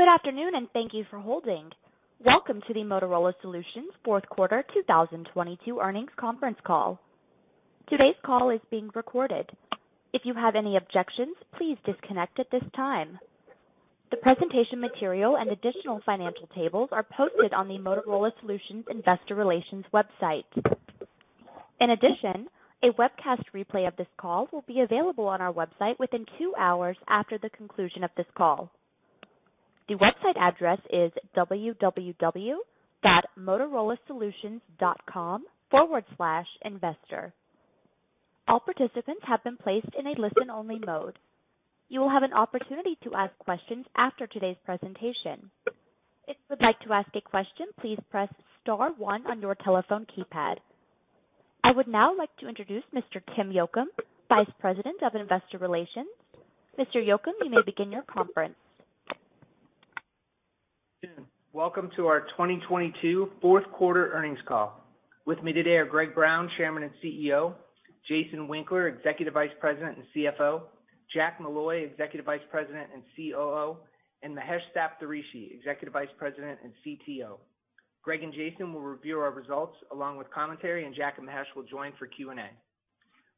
Good afternoon, and thank you for holding. Welcome to the Motorola Solutions fourth quarter 2022 earnings conference call. Today's call is being recorded. If you have any objections, please disconnect at this time. The presentation material and additional financial tables are posted on the Motorola Solutions investor relations website. In addition, a webcast replay of this call will be available on our website within 2 hours after the conclusion of this call. The website address is www.motorolasolutions.com/investor. All participants have been placed in a listen-only mode. You will have an opportunity to ask questions after today's presentation. If you would like to ask a question, please press star one on your telephone keypad. I would now like to introduce Mr. Tim Yocum, Vice President of Investor Relations. Mr. Yocum, you may begin your conference. Welcome to our 2022 fourth quarter earnings call. With me today are Greg Brown, Chairman and CEO, Jason Winkler, Executive Vice President and CFO, Jack Molloy, Executive Vice President and COO, and Mahesh Saptharishi, Executive Vice President and CTO. Greg and Jason will review our results along with commentary. Jack and Mahesh will join for Q&A.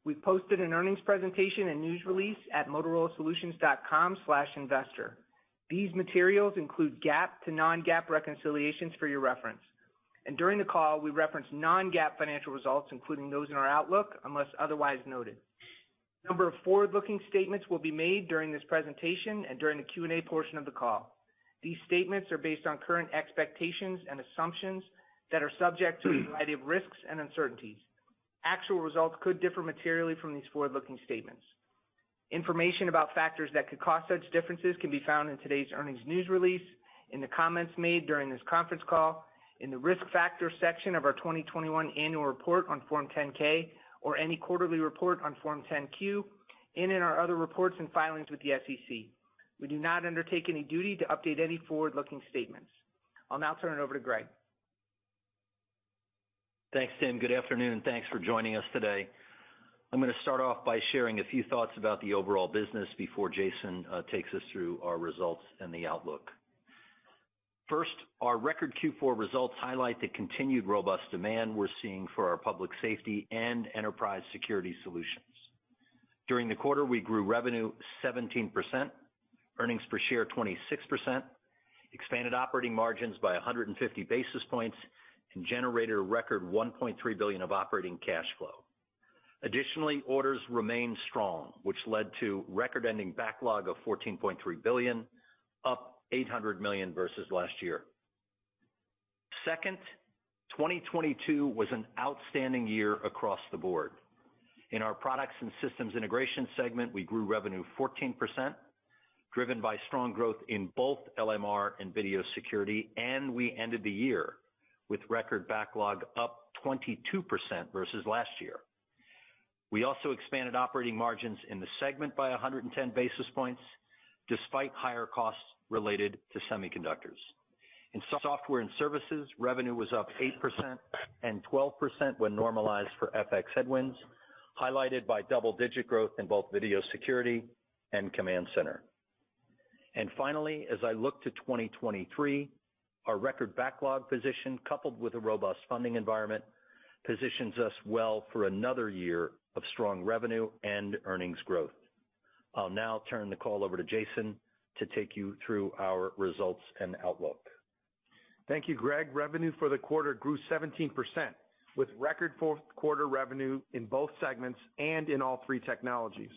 We've posted an earnings presentation and news release at motorolasolutions.com/investor. These materials include GAAP to non-GAAP reconciliations for your reference. During the call, we reference non-GAAP financial results, including those in our outlook, unless otherwise noted. A number of forward-looking statements will be made during this presentation and during the Q&A portion of the call. These statements are based on current expectations and assumptions that are subject to a variety of risks and uncertainties. Actual results could differ materially from these forward-looking statements. Information about factors that could cause such differences can be found in today's earnings news release, in the comments made during this conference call, in the Risk Factors section of our 2021 annual report on Form 10-K or any quarterly report on Form 10-Q, and in our other reports and filings with the SEC. We do not undertake any duty to update any forward-looking statements. I'll now turn it over to Greg. Thanks, Tim. Good afternoon. Thanks for joining us today. I'm gonna start off by sharing a few thoughts about the overall business before Jason takes us through our results and the outlook. First, our record Q4 results highlight the continued robust demand we're seeing for our public safety and enterprise security solutions. During the quarter, we grew revenue 17%, earnings per share 26%, expanded operating margins by 150 basis points, and generated a record $1.3 billion of operating cash flow. Additionally, orders remained strong, which led to record-ending backlog of $14.3 billion, up $800 million versus last year. Second, 2022 was an outstanding year across the board. In our Products and Systems Integration segment, we grew revenue 14%, driven by strong growth in both LMR and video security, and we ended the year with record backlog up 22% versus last year. We also expanded operating margins in the segment by 110 basis points, despite higher costs related to semiconductors. In Software and Services, revenue was up 8% and 12% when normalized for FX headwinds, highlighted by double-digit growth in both video security and command center. Finally, as I look to 2023, our record backlog position, coupled with a robust funding environment, positions us well for another year of strong revenue and earnings growth. I'll now turn the call over to Jason to take you through our results and outlook. Thank you, Greg. Revenue for the quarter grew 17%, with record fourth quarter revenue in both segments and in all three technologies.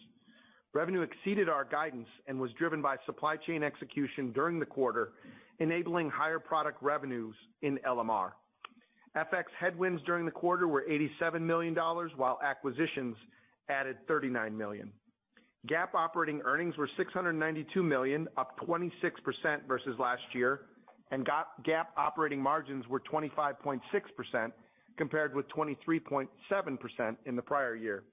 Revenue exceeded our guidance and was driven by supply chain execution during the quarter, enabling higher product revenues in LMR. FX headwinds during the quarter were $87 million, while acquisitions added $39 million. GAAP operating earnings were $692 million, up 26% versus last year, and GAAP operating margins were 25.6% compared with 23.7% in the prior year.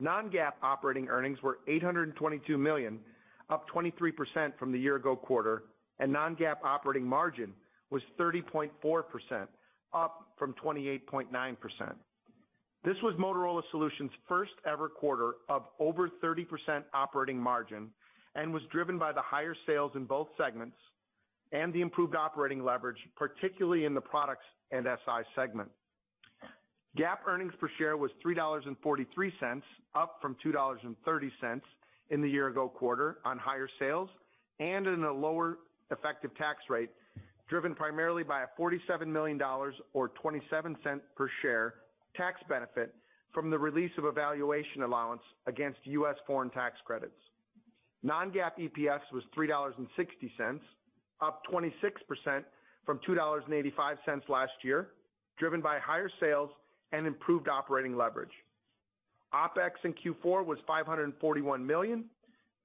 Non-GAAP operating earnings were $822 million, up 23% from the year ago quarter, and non-GAAP operating margin was 30.4%, up from 28.9%. This was Motorola Solutions' first-ever quarter of over 30% operating margin and was driven by the higher sales in both segments and the improved operating leverage, particularly in the Products and SI segment. GAAP earnings per share was $3.43, up from $2.30 in the year-ago quarter on higher sales and in a lower effective tax rate, driven primarily by a $47 million or $0.27 per share tax benefit from the release of a valuation allowance against U.S. foreign tax credits. Non-GAAP EPS was $3.60, up 26% from $2.85 last year, driven by higher sales and improved operating leverage. OpEx in Q4 was $541 million,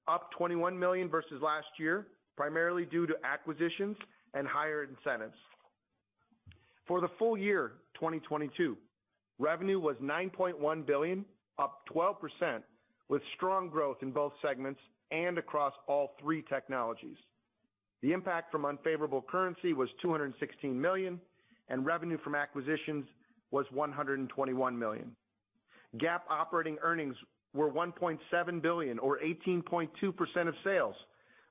up $21 million versus last year, primarily due to acquisitions and higher incentives. For the full year 2022, revenue was $9.1 billion, up 12%, with strong growth in both segments and across all three technologies. The impact from unfavorable currency was $216 million, and revenue from acquisitions was $121 million. GAAP operating earnings were $1.7 billion or 18.2% of sales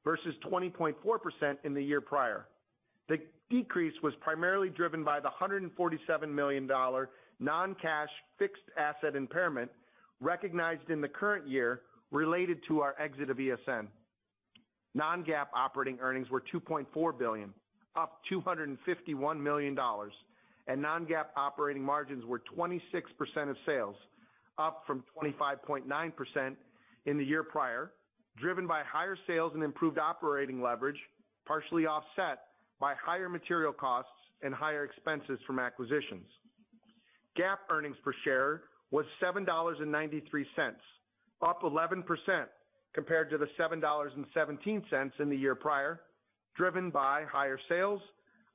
versus 20.4% in the year prior. The decrease was primarily driven by the $147 million non-cash fixed asset impairment recognized in the current year related to our exit of ESN. Non-GAAP operating earnings were $2.4 billion, up $251 million, and non-GAAP operating margins were 26% of sales, up from 25.9% in the year prior, driven by higher sales and improved operating leverage, partially offset by higher material costs and higher expenses from acquisitions. GAAP earnings per share was $7.93, up 11% compared to the $7.17 in the year prior, driven by higher sales,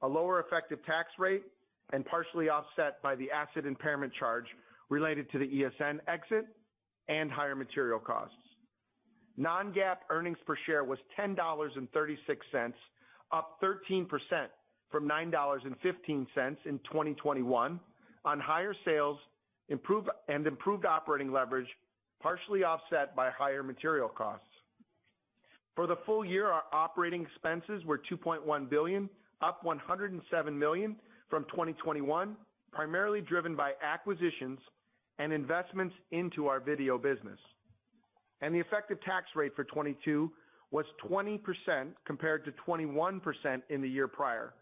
a lower effective tax rate, and partially offset by the asset impairment charge related to the ESN exit and higher material costs. Non-GAAP earnings per share was $10.36, up 13% from $9.15 in 2021 on higher sales and improved operating leverage, partially offset by higher material costs. For the full year, our operating expenses were $2.1 billion, up $107 million from 2021, primarily driven by acquisitions and investments into our video business. The effective tax rate for 2022 was 20% compared to 21% in the year prior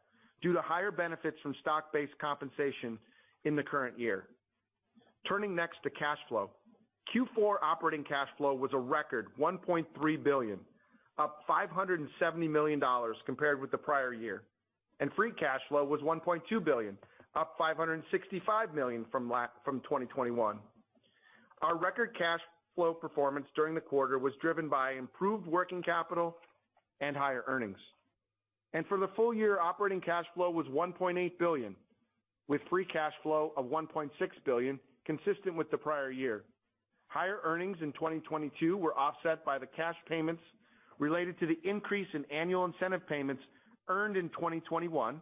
due to higher benefits from stock-based compensation in the current year. Turning next to cash flow. Q4 operating cash flow was a record $1.3 billion, up $570 million compared with the prior year, free cash flow was $1.2 billion, up $565 million from 2021. Our record cash flow performance during the quarter was driven by improved working capital and higher earnings. For the full year, operating cash flow was $1.8 billion, with free cash flow of $1.6 billion, consistent with the prior year. Higher earnings in 2022 were offset by the cash payments related to the increase in annual incentive payments earned in 2021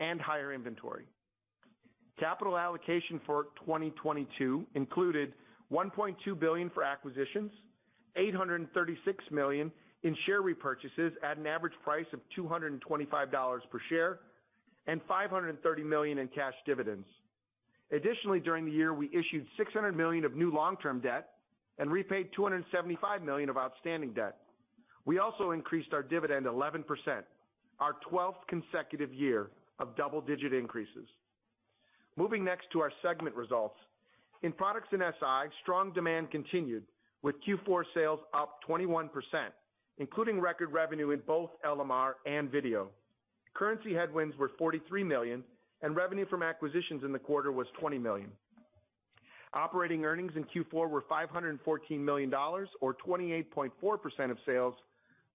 and higher inventory. Capital allocation for 2022 included $1.2 billion for acquisitions, $836 million in share repurchases at an average price of $225 per share, and $530 million in cash dividends. Additionally, during the year, we issued $600 million of new long-term debt and repaid $275 million of outstanding debt. We also increased our dividend 11%, our 12th consecutive year of double-digit increases. Moving next to our segment results. In Products and SI, strong demand continued with Q4 sales up 21%, including record revenue in both LMR and video. Currency headwinds were $43 million, revenue from acquisitions in the quarter was $20 million. Operating earnings in Q4 were $514 million or 28.4% of sales,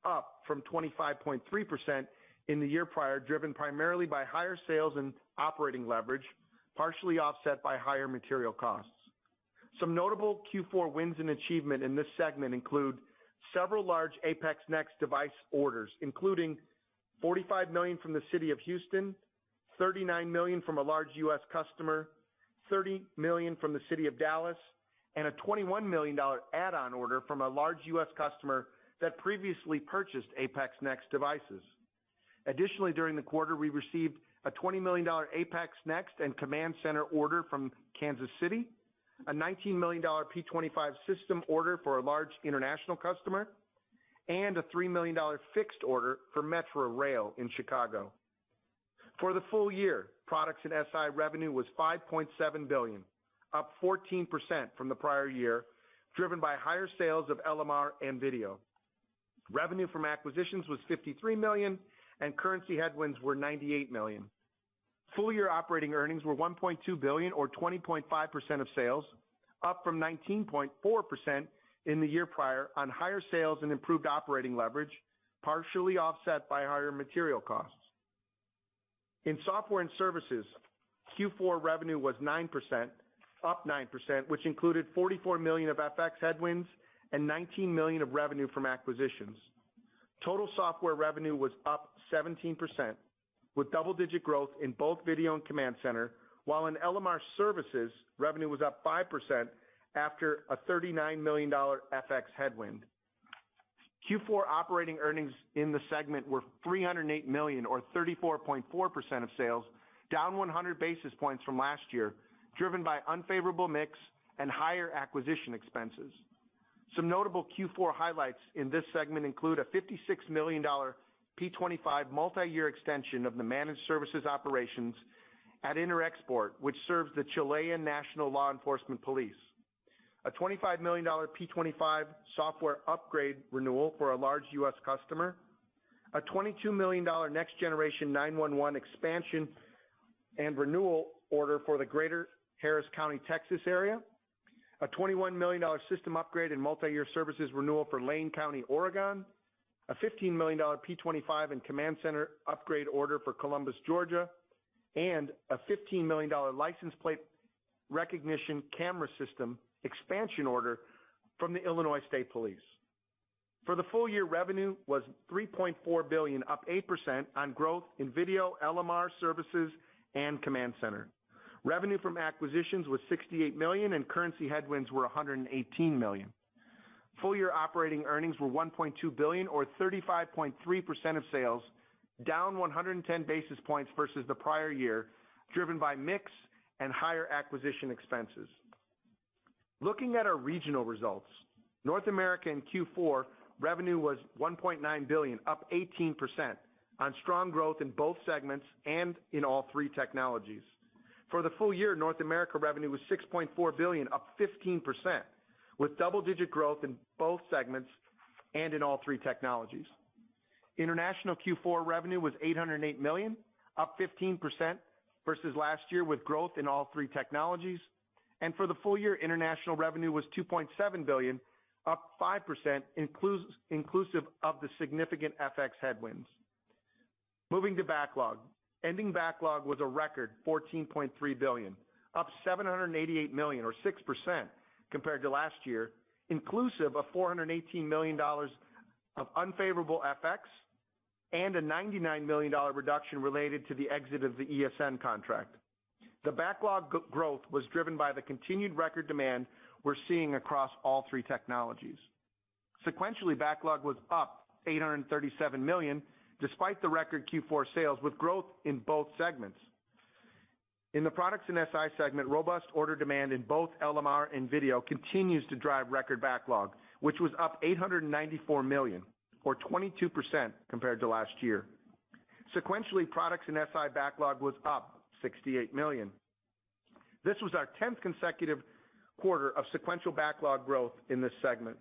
up from 25.3% in the year prior, driven primarily by higher sales and operating leverage, partially offset by higher material costs. Some notable Q4 wins and achievement in this segment include several large APX NEXT device orders, including $45 million from the city of Houston, $39 million from a large U.S. customer, $30 million from the city of Dallas, and a $21 million add-on order from a large U.S. customer that previously purchased APX NEXT devices. Additionally, during the quarter, we received a $20 million APX NEXT and command center order from Kansas City, a $19 million P25 system order for a large international customer, and a $3 million fixed order for Metra Rail in Chicago. For the full year, Products and SI revenue was $5.7 billion, up 14% from the prior year, driven by higher sales of LMR and video. Revenue from acquisitions was $53 million, and currency headwinds were $98 million. Full year operating earnings were $1.2 billion or 20.5% of sales, up from 19.4% in the year prior on higher sales and improved operating leverage, partially offset by higher material costs. In Software and Services, Q4 revenue was 9%, up 9%, which included $44 million of FX headwinds and $19 million of revenue from acquisitions. Total software revenue was up 17% with double-digit growth in both video and command center, while in LMR Services, revenue was up 5% after a $39 million FX headwind. Q4 operating earnings in the segment were $308 million or 34.4% of sales, down 100 basis points from last year, driven by unfavorable mix and higher acquisition expenses. Some notable Q4 highlights in this segment include a $56 million P25 multi-year extension of the managed services operations at Interexport, which serves the Chilean National Law Enforcement Police. A $25 million P25 software upgrade renewal for a large U.S. customer, a $22 million next generation 911 expansion and renewal order for the greater Harris County, Texas area. A $21 million system upgrade and multi-year services renewal for Lane County, Oregon, a $15 million P25 and command center upgrade order for Columbus, Georgia, and a $15 million license plate recognition camera system expansion order from the Illinois State Police. For the full year, revenue was $3.4 billion, up 8% on growth in video, LMR Services, and command center. Revenue from acquisitions was $68 million, and currency headwinds were $118 million. Full year operating earnings were $1.2 billion or 35.3% of sales, down 110 basis points versus the prior year, driven by mix and higher acquisition expenses. Looking at our regional results, North America in Q4, revenue was $1.9 billion, up 18% on strong growth in both segments and in all three technologies. For the full year, North America revenue was $6.4 billion, up 15%, with double-digit growth in both segments and in all three technologies. International Q4 revenue was $808 million, up 15% versus last year, with growth in all three technologies. For the full year, international revenue was $2.7 billion, up 5% inclusive of the significant FX headwinds. Moving to backlog. Ending backlog was a record $14.3 billion, up $788 million or 6% compared to last year, inclusive of $418 million of unfavorable FX and a $99 million reduction related to the exit of the ESN contract. The backlog growth was driven by the continued record demand we're seeing across all three technologies. Sequentially, backlog was up $837 million, despite the record Q4 sales with growth in both segments. In the Products and SI segment, robust order demand in both LMR and video continues to drive record backlog, which was up $894 million or 22% compared to last year. Sequentially, Products and SI backlog was up $68 million. This was our 10th consecutive quarter of sequential backlog growth in this segment.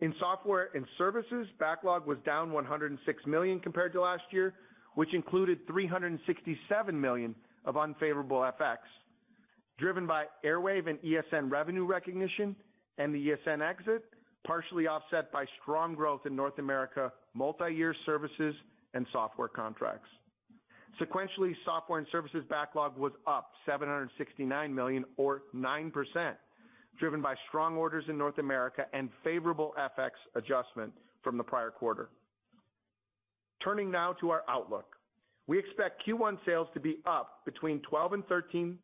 In Software and Services, backlog was down $106 million compared to last year, which included $367 million of unfavorable FX, driven by Airwave and ESN revenue recognition and the ESN exit, partially offset by strong growth in North America, multi-year services and software contracts. Sequentially, Software and Services backlog was up $769 million or 9%, driven by strong orders in North America and favorable FX adjustment from the prior quarter. Turning now to our outlook. We expect Q1 sales to be up between 12% and 13%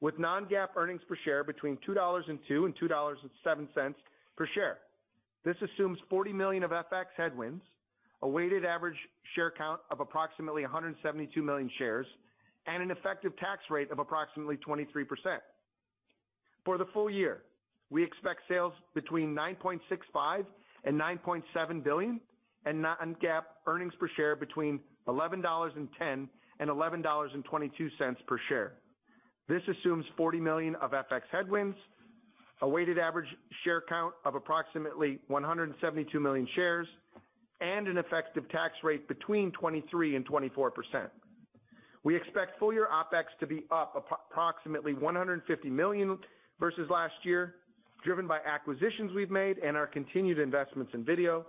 with non-GAAP earnings per share between $2.02 and $2.07 per share. This assumes $40 million of FX headwinds, a weighted average share count of approximately 172 million shares, and an effective tax rate of approximately 23%. For the full year, we expect sales between $9.65 billion and $9.7 billion and non-GAAP earnings per share between $11.10 and $11.22 per share. This assumes $40 million of FX headwinds, a weighted average share count of approximately 172 million shares, and an effective tax rate between 23% and 24%. We expect full year OpEx to be up approximately $150 million versus last year, driven by acquisitions we've made and our continued investments in video.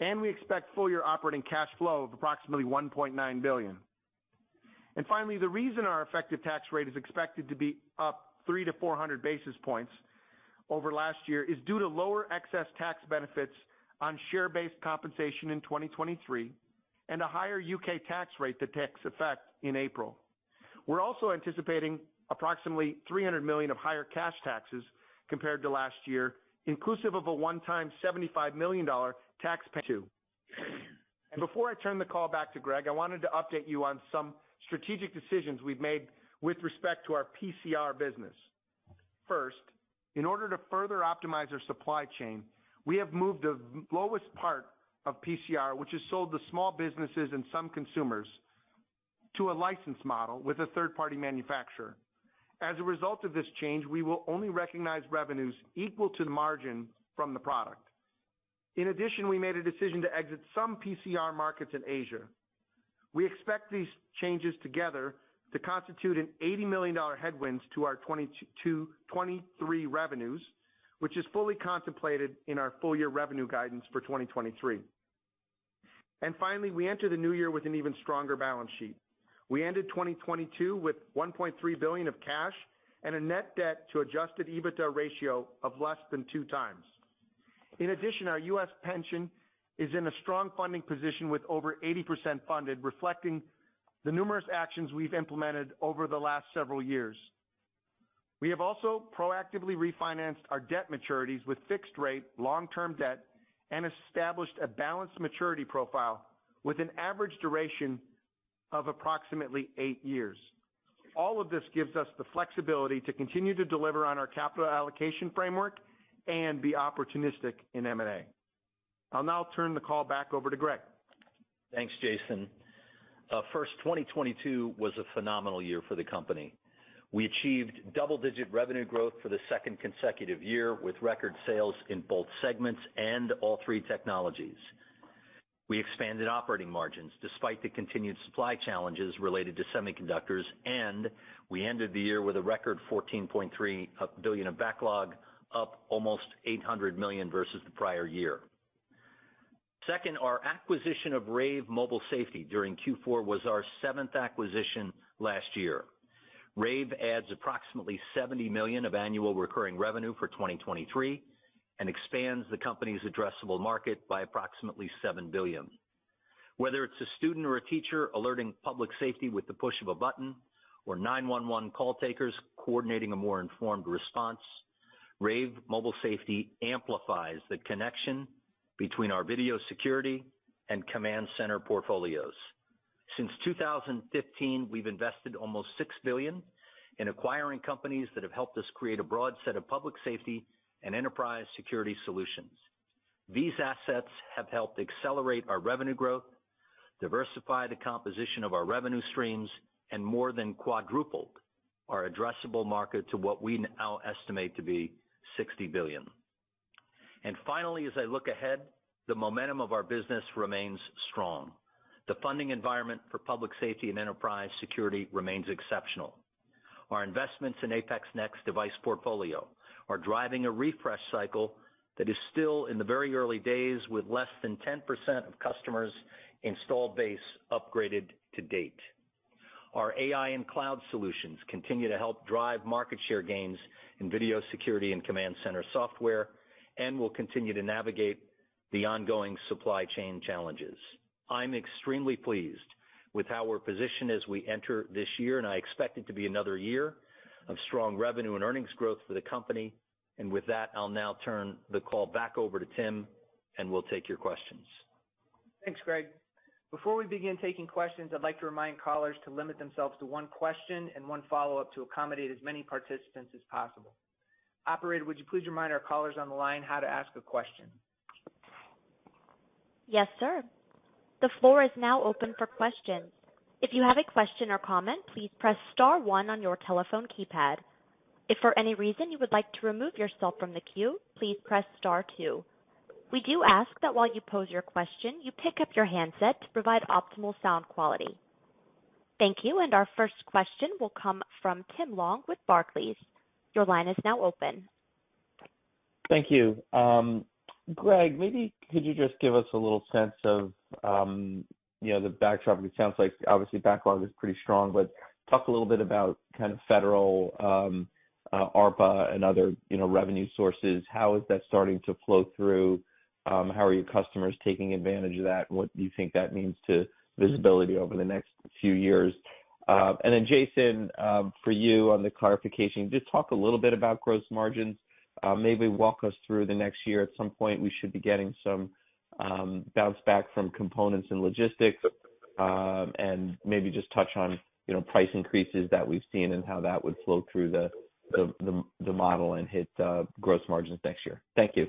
We expect full year operating cash flow of approximately $1.9 billion. Finally, the reason our effective tax rate is expected to be up 300 to 400 basis points over last year is due to lower excess tax benefits on share-based compensation in 2023 and a higher UK tax rate that takes effect in April. We're also anticipating approximately $300 million of higher cash taxes compared to last year, inclusive of a one-time $75 million tax pay too. Before I turn the call back to Greg, I wanted to update you on some strategic decisions we've made with respect to our PCR business. First, in order to further optimize our supply chain, we have moved the lowest part of PCR, which is sold to small businesses and some consumers, to a license model with a third-party manufacturer. As a result of this change, we will only recognize revenues equal to the margin from the product. In addition, we made a decision to exit some PCR markets in Asia. We expect these changes together to constitute an $80 million headwinds to our 2023 revenues, which is fully contemplated in our full year revenue guidance for 2023. Finally, we enter the new year with an even stronger balance sheet. We ended 2022 with $1.3 billion of cash and a net debt to adjusted EBITDA ratio of less than 2x. In addition, our U.S. pension is in a strong funding position with over 80% funded, reflecting the numerous actions we've implemented over the last several years. We have also proactively refinanced our debt maturities with fixed rate, long-term debt, and established a balanced maturity profile with an average duration of approximately eight years. All of this gives us the flexibility to continue to deliver on our capital allocation framework and be opportunistic in M&A. I'll now turn the call back over to Greg. Thanks, Jason. First, 2022 was a phenomenal year for the company. We achieved double-digit revenue growth for the second consecutive year with record sales in both segments and all three technologies. We expanded operating margins despite the continued supply challenges related to semiconductors, and we ended the year with a record $14.3 billion of backlog, up almost $800 million versus the prior year. Our acquisition of Rave Mobile Safety during Q4 was our seventh acquisition last year. Rave adds approximately $70 million of annual recurring revenue for 2023 and expands the company's addressable market by approximately $7 billion. Whether it's a student or a teacher alerting public safety with the push of a button or 911 call takers coordinating a more informed response, Rave Mobile Safety amplifies the connection between our video security and command center portfolios. Since 2015, we've invested almost $6 billion in acquiring companies that have helped us create a broad set of public safety and enterprise security solutions. These assets have helped accelerate our revenue growth, diversify the composition of our revenue streams, and more than quadrupled our addressable market to what we now estimate to be $60 billion. Finally, as I look ahead, the momentum of our business remains strong. The funding environment for public safety and enterprise security remains exceptional. Our investments in APX NEXT device portfolio are driving a refresh cycle that is still in the very early days, with less than 10% of customers installed base upgraded to date. Our AI and cloud solutions continue to help drive market share gains in video security and command center software, and we'll continue to navigate the ongoing supply chain challenges. I'm extremely pleased with how we're positioned as we enter this year, and I expect it to be another year of strong revenue and earnings growth for the company. With that, I'll now turn the call back over to Tim, and we'll take your questions. Thanks, Greg. Before we begin taking questions, I'd like to remind callers to limit themselves to one question and one follow-up to accommodate as many participants as possible. Operator, would you please remind our callers on the line how to ask a question? Yes, sir. The floor is now open for questions. If you have a question or comment, please press star one on your telephone keypad. If for any reason you would like to remove yourself from the queue, please press star two. We do ask that while you pose your question, you pick up your handset to provide optimal sound quality. Thank you. Our first question will come from Tim Long with Barclays. Your line is now open. Thank you. Greg, maybe could you just give us a little sense of, you know, the backdrop? It sounds like obviously backlog is pretty strong, but talk a little bit about kind of federal ARPA and other, you know, revenue sources. How is that starting to flow through? How are your customers taking advantage of that? What do you think that means to visibility over the next few years? Then Jason, for you on the clarification, just talk a little bit about gross margins. Maybe walk us through the next year. At some point, we should be getting some bounce back from components and logistics, and maybe just touch on, you know, price increases that we've seen and how that would flow through the model and hit gross margins next year. Thank you.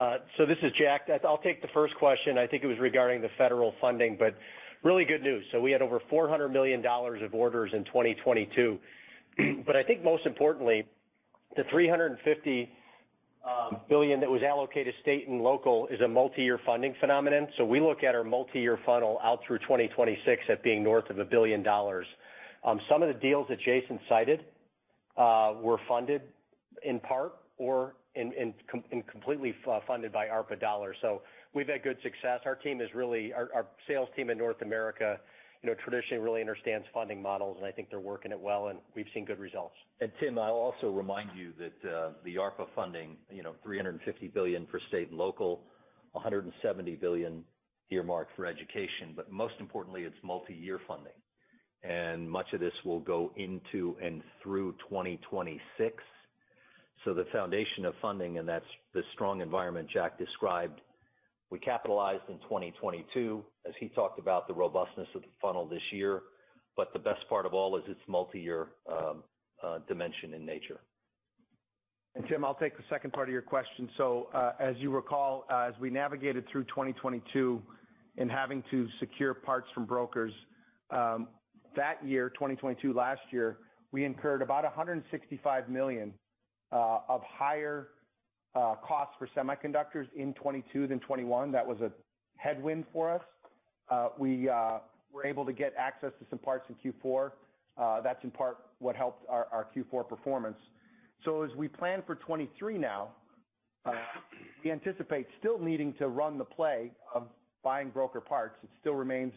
This is Jack. I'll take the first question. I think it was regarding the federal funding, really good news. We had over $400 million of orders in 2022. I think most importantly, the $350 billion that was allocated state and local is a multi-year funding phenomenon. We look at our multi-year funnel out through 2026 at being north of $1 billion. Some of the deals that Jason cited were funded in part or in, and completely funded by ARPA dollars. We've had good success. Our team is really, our sales team in North America, you know, traditionally really understands funding models, and I think they're working it well, and we've seen good results. Tim, I'll also remind you that, the ARPA funding, you know, $350 billion for state and local, $170 billion earmarked for education, but most importantly, it's multi-year funding. Much of this will go into and through 2026. The foundation of funding, and that's the strong environment Jack described, we capitalized in 2022 as he talked about the robustness of the funnel this year. The best part of all is it's multi-year dimension in nature. Tim, I'll take the second part of your question. As you recall, as we navigated through 2022 and having to secure parts from brokers, that year, 2022 last year, we incurred about $165 million of higher costs for semiconductors in 2022 than 2021. That was a headwind for us. We were able to get access to some parts in Q4. That's in part what helped our Q4 performance. As we plan for 2023 now, we anticipate still needing to run the play of buying broker parts. It still remains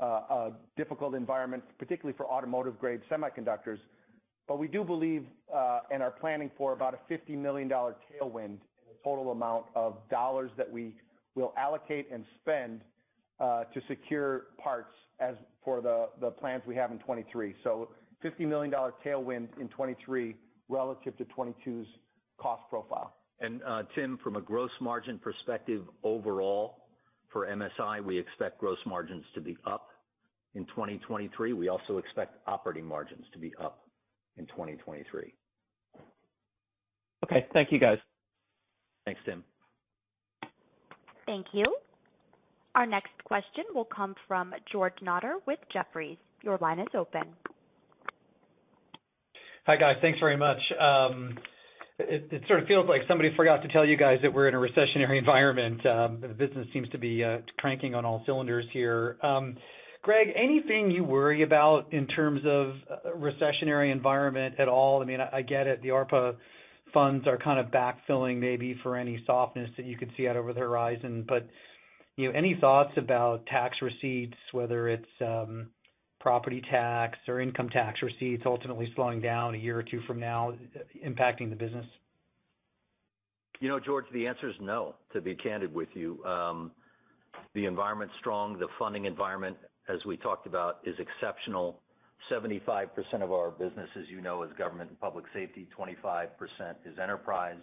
a difficult environment, particularly for automotive-grade semiconductors. We do believe, and are planning for about a $50 million dollar tailwind in the total amount of dollars that we will allocate and spend, to secure parts as for the plans we have in 2023. $50 million dollar tailwind in 2023 relative to 2022's cost profile. Tim, from a gross margin perspective overall for MSI, we expect gross margins to be up in 2023. We also expect operating margins to be up in 2023. Okay. Thank you, guys. Thanks, Tim. Thank you. Our next question will come from George Notter with Jefferies. Your line is open. Hi, guys. Thanks very much. It sort of feels like somebody forgot to tell you guys that we're in a recessionary environment. Greg, anything you worry about in terms of recessionary environment at all? I mean, I get it, the ARPA funds are kind of backfilling maybe for any softness that you could see out over the horizon. You know, any thoughts about tax receipts, whether it's, property tax or income tax receipts ultimately slowing down a year or two from now, impacting the business? You know, George, the answer is no, to be candid with you. The environment's strong. The funding environment, as we talked about, is exceptional. 75% of our business, as you know, is government and public safety. 25% is enterprise.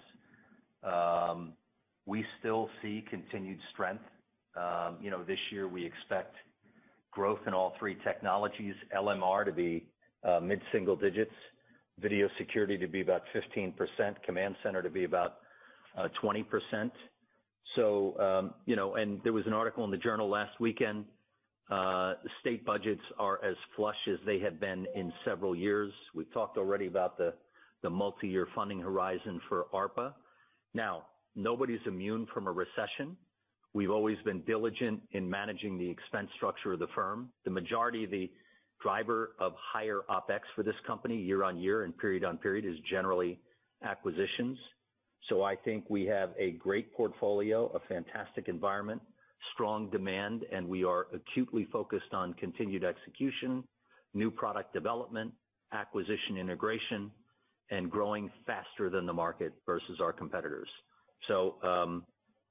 We still see continued strength. You know, this year we expect growth in all three technologies. LMR to be mid-single digits, video security to be about 15%, command center to be about 20%. You know, and there was an article in the journal last weekend, state budgets are as flush as they have been in several years. We've talked already about the multi-year funding horizon for ARPA. Nobody's immune from a recession. We've always been diligent in managing the expense structure of the firm. The majority of the driver of higher OpEx for this company year-on-year and period-on-period is generally acquisitions. I think we have a great portfolio, a fantastic environment, strong demand, and we are acutely focused on continued execution, new product development, acquisition integration, and growing faster than the market versus our competitors.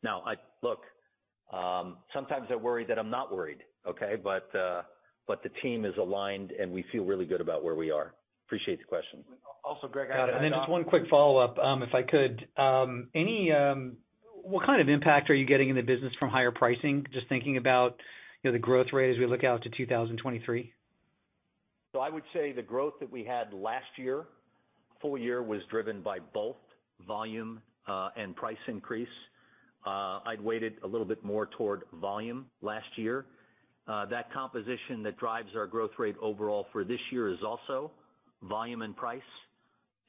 Now look, sometimes I worry that I'm not worried, okay? The team is aligned, and we feel really good about where we are. Appreciate the question. Got it. Then just one quick follow-up, if I could. What kind of impact are you getting in the business from higher pricing? Just thinking about, you know, the growth rate as we look out to 2023. I would say the growth that we had last year, full year, was driven by both volume and price increase. I'd weight it a little bit more toward volume last year. That composition that drives our growth rate overall for this year is also volume and price,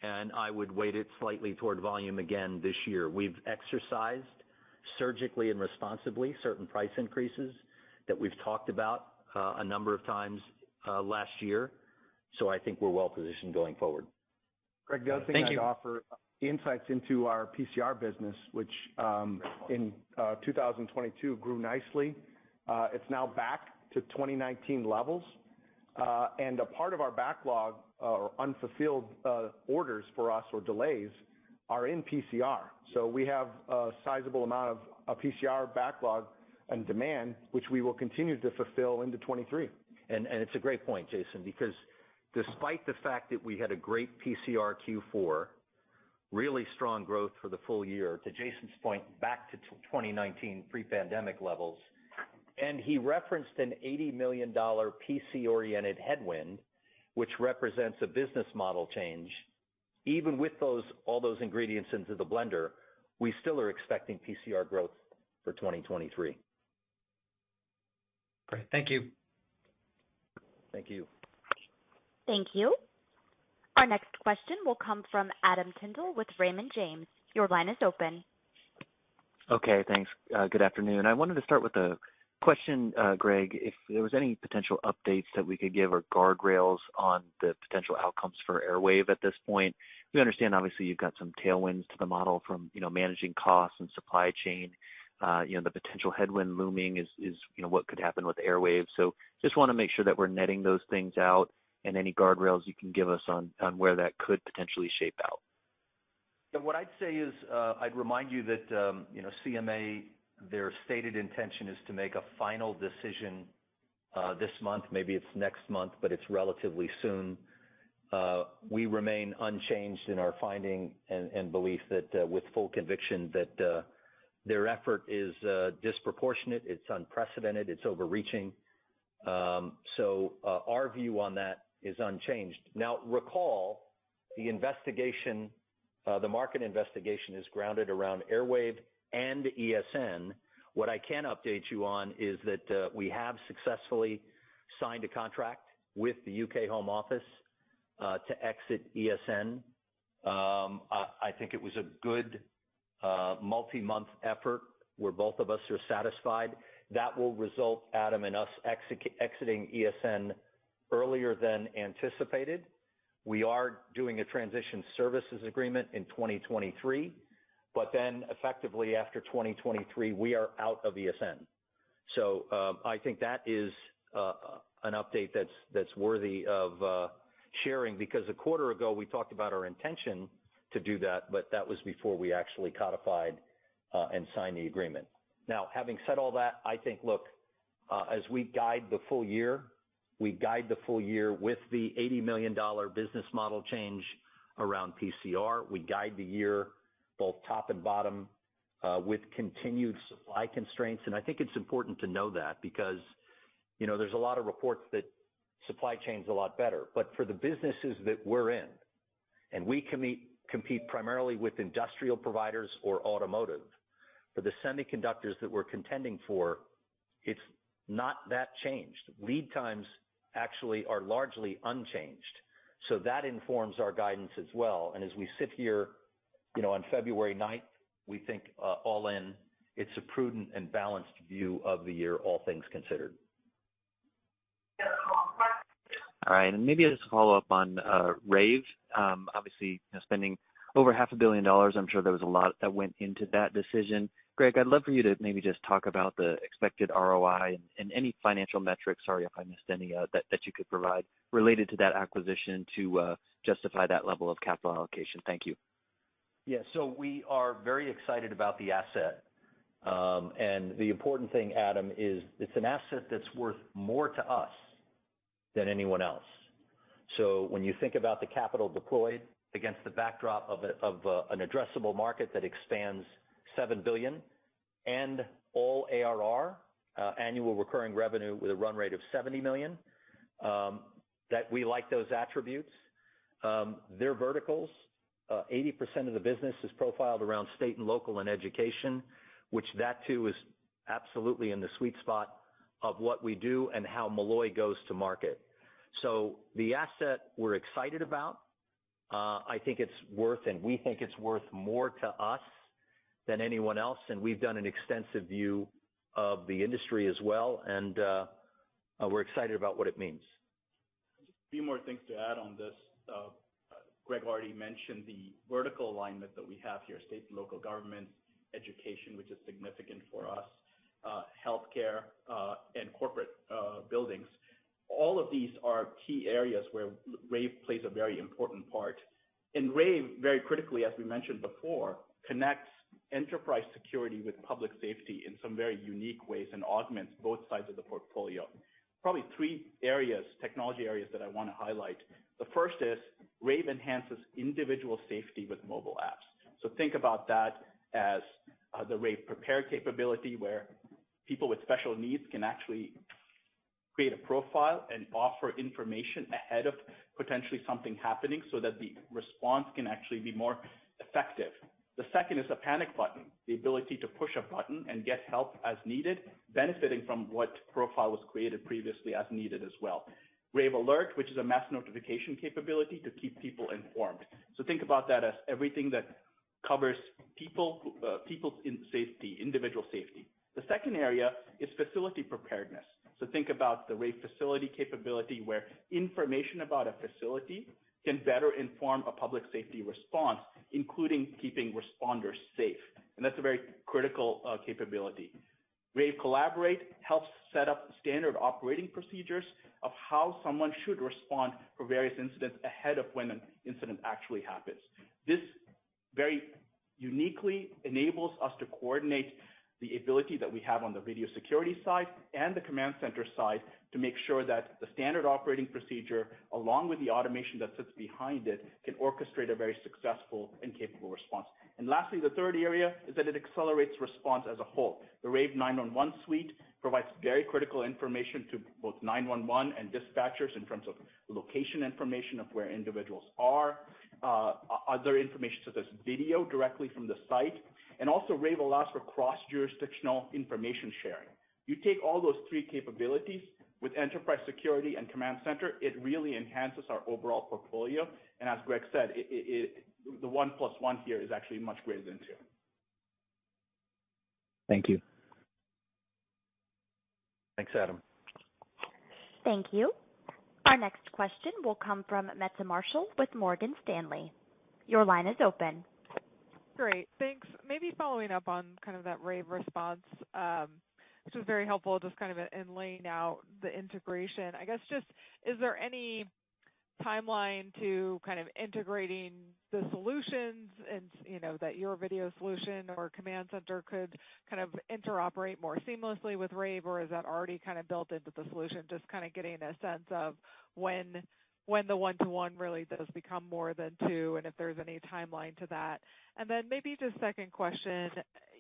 and I would weight it slightly toward volume again this year. We've exercised surgically and responsibly certain price increases that we've talked about a number of times last year. I think we're well positioned going forward. Thank you. Greg, the other thing I'd offer, insights into our PCR business, which in 2022 grew nicely. It's now back to 2019 levels. A part of our backlog, or unfulfilled orders for us, or delays, are in PCR. We have a sizable amount of PCR backlog and demand, which we will continue to fulfill into 2023. It's a great point, Jason, because despite the fact that we had a great PCR Q4, really strong growth for the full year, to Jason's point, back to 2019 pre-pandemic levels, and he referenced an $80 million PC-oriented headwind, which represents a business model change. Even with those, all those ingredients into the blender, we still are expecting PCR growth for 2023. Great. Thank you. Thank you. Thank you. Our next question will come from Adam Tindle with Raymond James. Your line is open. Okay, thanks. Good afternoon. I wanted to start with a question, Greg, if there was any potential updates that we could give or guardrails on the potential outcomes for Airwave at this point. We understand obviously you've got some tailwinds to the model from, you know, managing costs and supply chain. You know, the potential headwind looming is, you know, what could happen with Airwave. Just wanna make sure that we're netting those things out and any guardrails you can give us on where that could potentially shape out. What I'd say is, I'd remind you that CMA, their stated intention is to make a final decision this month, maybe it's next month, it's relatively soon. We remain unchanged in our finding and belief that, with full conviction, their effort is disproportionate, it's unprecedented, it's overreaching. Our view on that is unchanged. Recall the investigation, the market investigation is grounded around Airwave and ESN. What I can update you on is that we have successfully signed a contract with the U.K. Home Office to exit ESN. I think it was a good multi-month effort where both of us are satisfied. That will result, Adam, in us exiting ESN earlier than anticipated. We are doing a transition services agreement in 2023, effectively after 2023, we are out of ESN. I think that is an update that's worthy of sharing, because a quarter ago, we talked about our intention to do that, but that was before we actually codified and signed the agreement. Having said all that, I think, look, as we guide the full year, we guide the full year with the $80 million business model change around PCR. We guide the year both top and bottom with continued supply constraints. I think it's important to know that because, you know, there's a lot of reports that supply chain's a lot better. For the businesses that we're in, and we compete primarily with industrial providers or automotive, for the semiconductors that we're contending for, it's not that changed. Lead times actually are largely unchanged. That informs our guidance as well. As we sit here, you know, on February 9th, we think, all in, it's a prudent and balanced view of the year, all things considered. Maybe I'll just follow up on Rave. Obviously, you know, spending over $500 million, I'm sure there was a lot that went into that decision. Greg, I'd love for you to maybe just talk about the expected ROI and any financial metrics, sorry if I missed any, that you could provide related to that acquisition to justify that level of capital allocation. Thank you. Yeah. We are very excited about the asset. The important thing, Adam is it's an asset that's worth more to us than anyone else. When you think about the capital deployed against the backdrop of an addressable market that expands $7 billion and all ARR, annual recurring revenue with a run rate of $70 million, that we like those attributes. Their verticals, 80% of the business is profiled around state and local and education, which that too is absolutely in the sweet spot of what we do and how Molloy goes to market. The asset we're excited about, we think it's worth more to us than anyone else, we've done an extensive view of the industry as well, we're excited about what it means. Just a few more things to add on this. Greg already mentioned the vertical alignment that we have here, state and local government, education, which is significant for us, healthcare, and corporate buildings. All of these are key areas where Rave plays a very important part. Rave, very critically, as we mentioned before, connects enterprise security with public safety in some very unique ways and augments both sides of the portfolio. Probably three areas, technology areas that I wanna highlight. The first is Rave enhances individual safety with mobile apps. Think about that as the Rave Prepare capability, where people with special needs can actually create a profile and offer information ahead of potentially something happening so that the response can actually be more effective. The second is a panic button, the ability to push a button and get help as needed, benefiting from what profile was created previously as needed as well. Rave Alert, which is a mass notification capability to keep people informed. Think about that as everything that covers people's in safety, individual safety. The second area is facility preparedness. Think about the Rave Facility capability, where information about a facility can better inform a public safety response, including keeping responders safe. That's a very critical capability. Rave Collaborate helps set up standard operating procedures of how someone should respond for various incidents ahead of when an incident actually happens. This very uniquely enables us to coordinate the ability that we have on the video security side and the command center side to make sure that the standard operating procedure, along with the automation that sits behind it, can orchestrate a very successful and capable response. Lastly, the third area is that it accelerates response as a whole. The Rave 911 Suite provides very critical information to both 911 and dispatchers in terms of location information of where individuals are, other information to this video directly from the site, and also Rave allows for cross-jurisdictional information sharing. You take all those three capabilities with enterprise security and command center, it really enhances our overall portfolio. As Greg said, it, the one plus one here is actually much greater than two. Thank you. Thanks, Adam. Thank you. Our next question will come from Meta Marshall with Morgan Stanley. Your line is open. Great. Thanks. Maybe following up on kind of that Rave response, which was very helpful just kind of in laying out the integration. I guess just, is there any timeline to kind of integrating the solutions and, you know, that your video solution or command center could kind of interoperate more seamlessly with Rave, or is that already kind of built into the solution? Just kind of getting a sense of when the one-to-one really does become more than two, and if there's any timeline to that? Maybe just second question,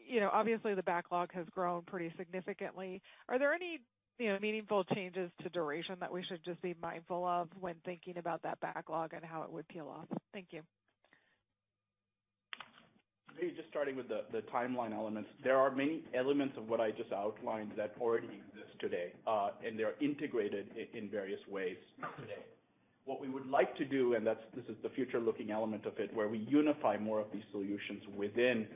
you know, obviously the backlog has grown pretty significantly. Are there any, you know, meaningful changes to duration that we should just be mindful of when thinking about that backlog and how it would peel off? Thank you. Maybe just starting with the timeline elements. There are many elements of what I just outlined that already exist today, and they're integrated in various ways today. What we would like to do, this is the future-looking element of it, where we unify more of these solutions within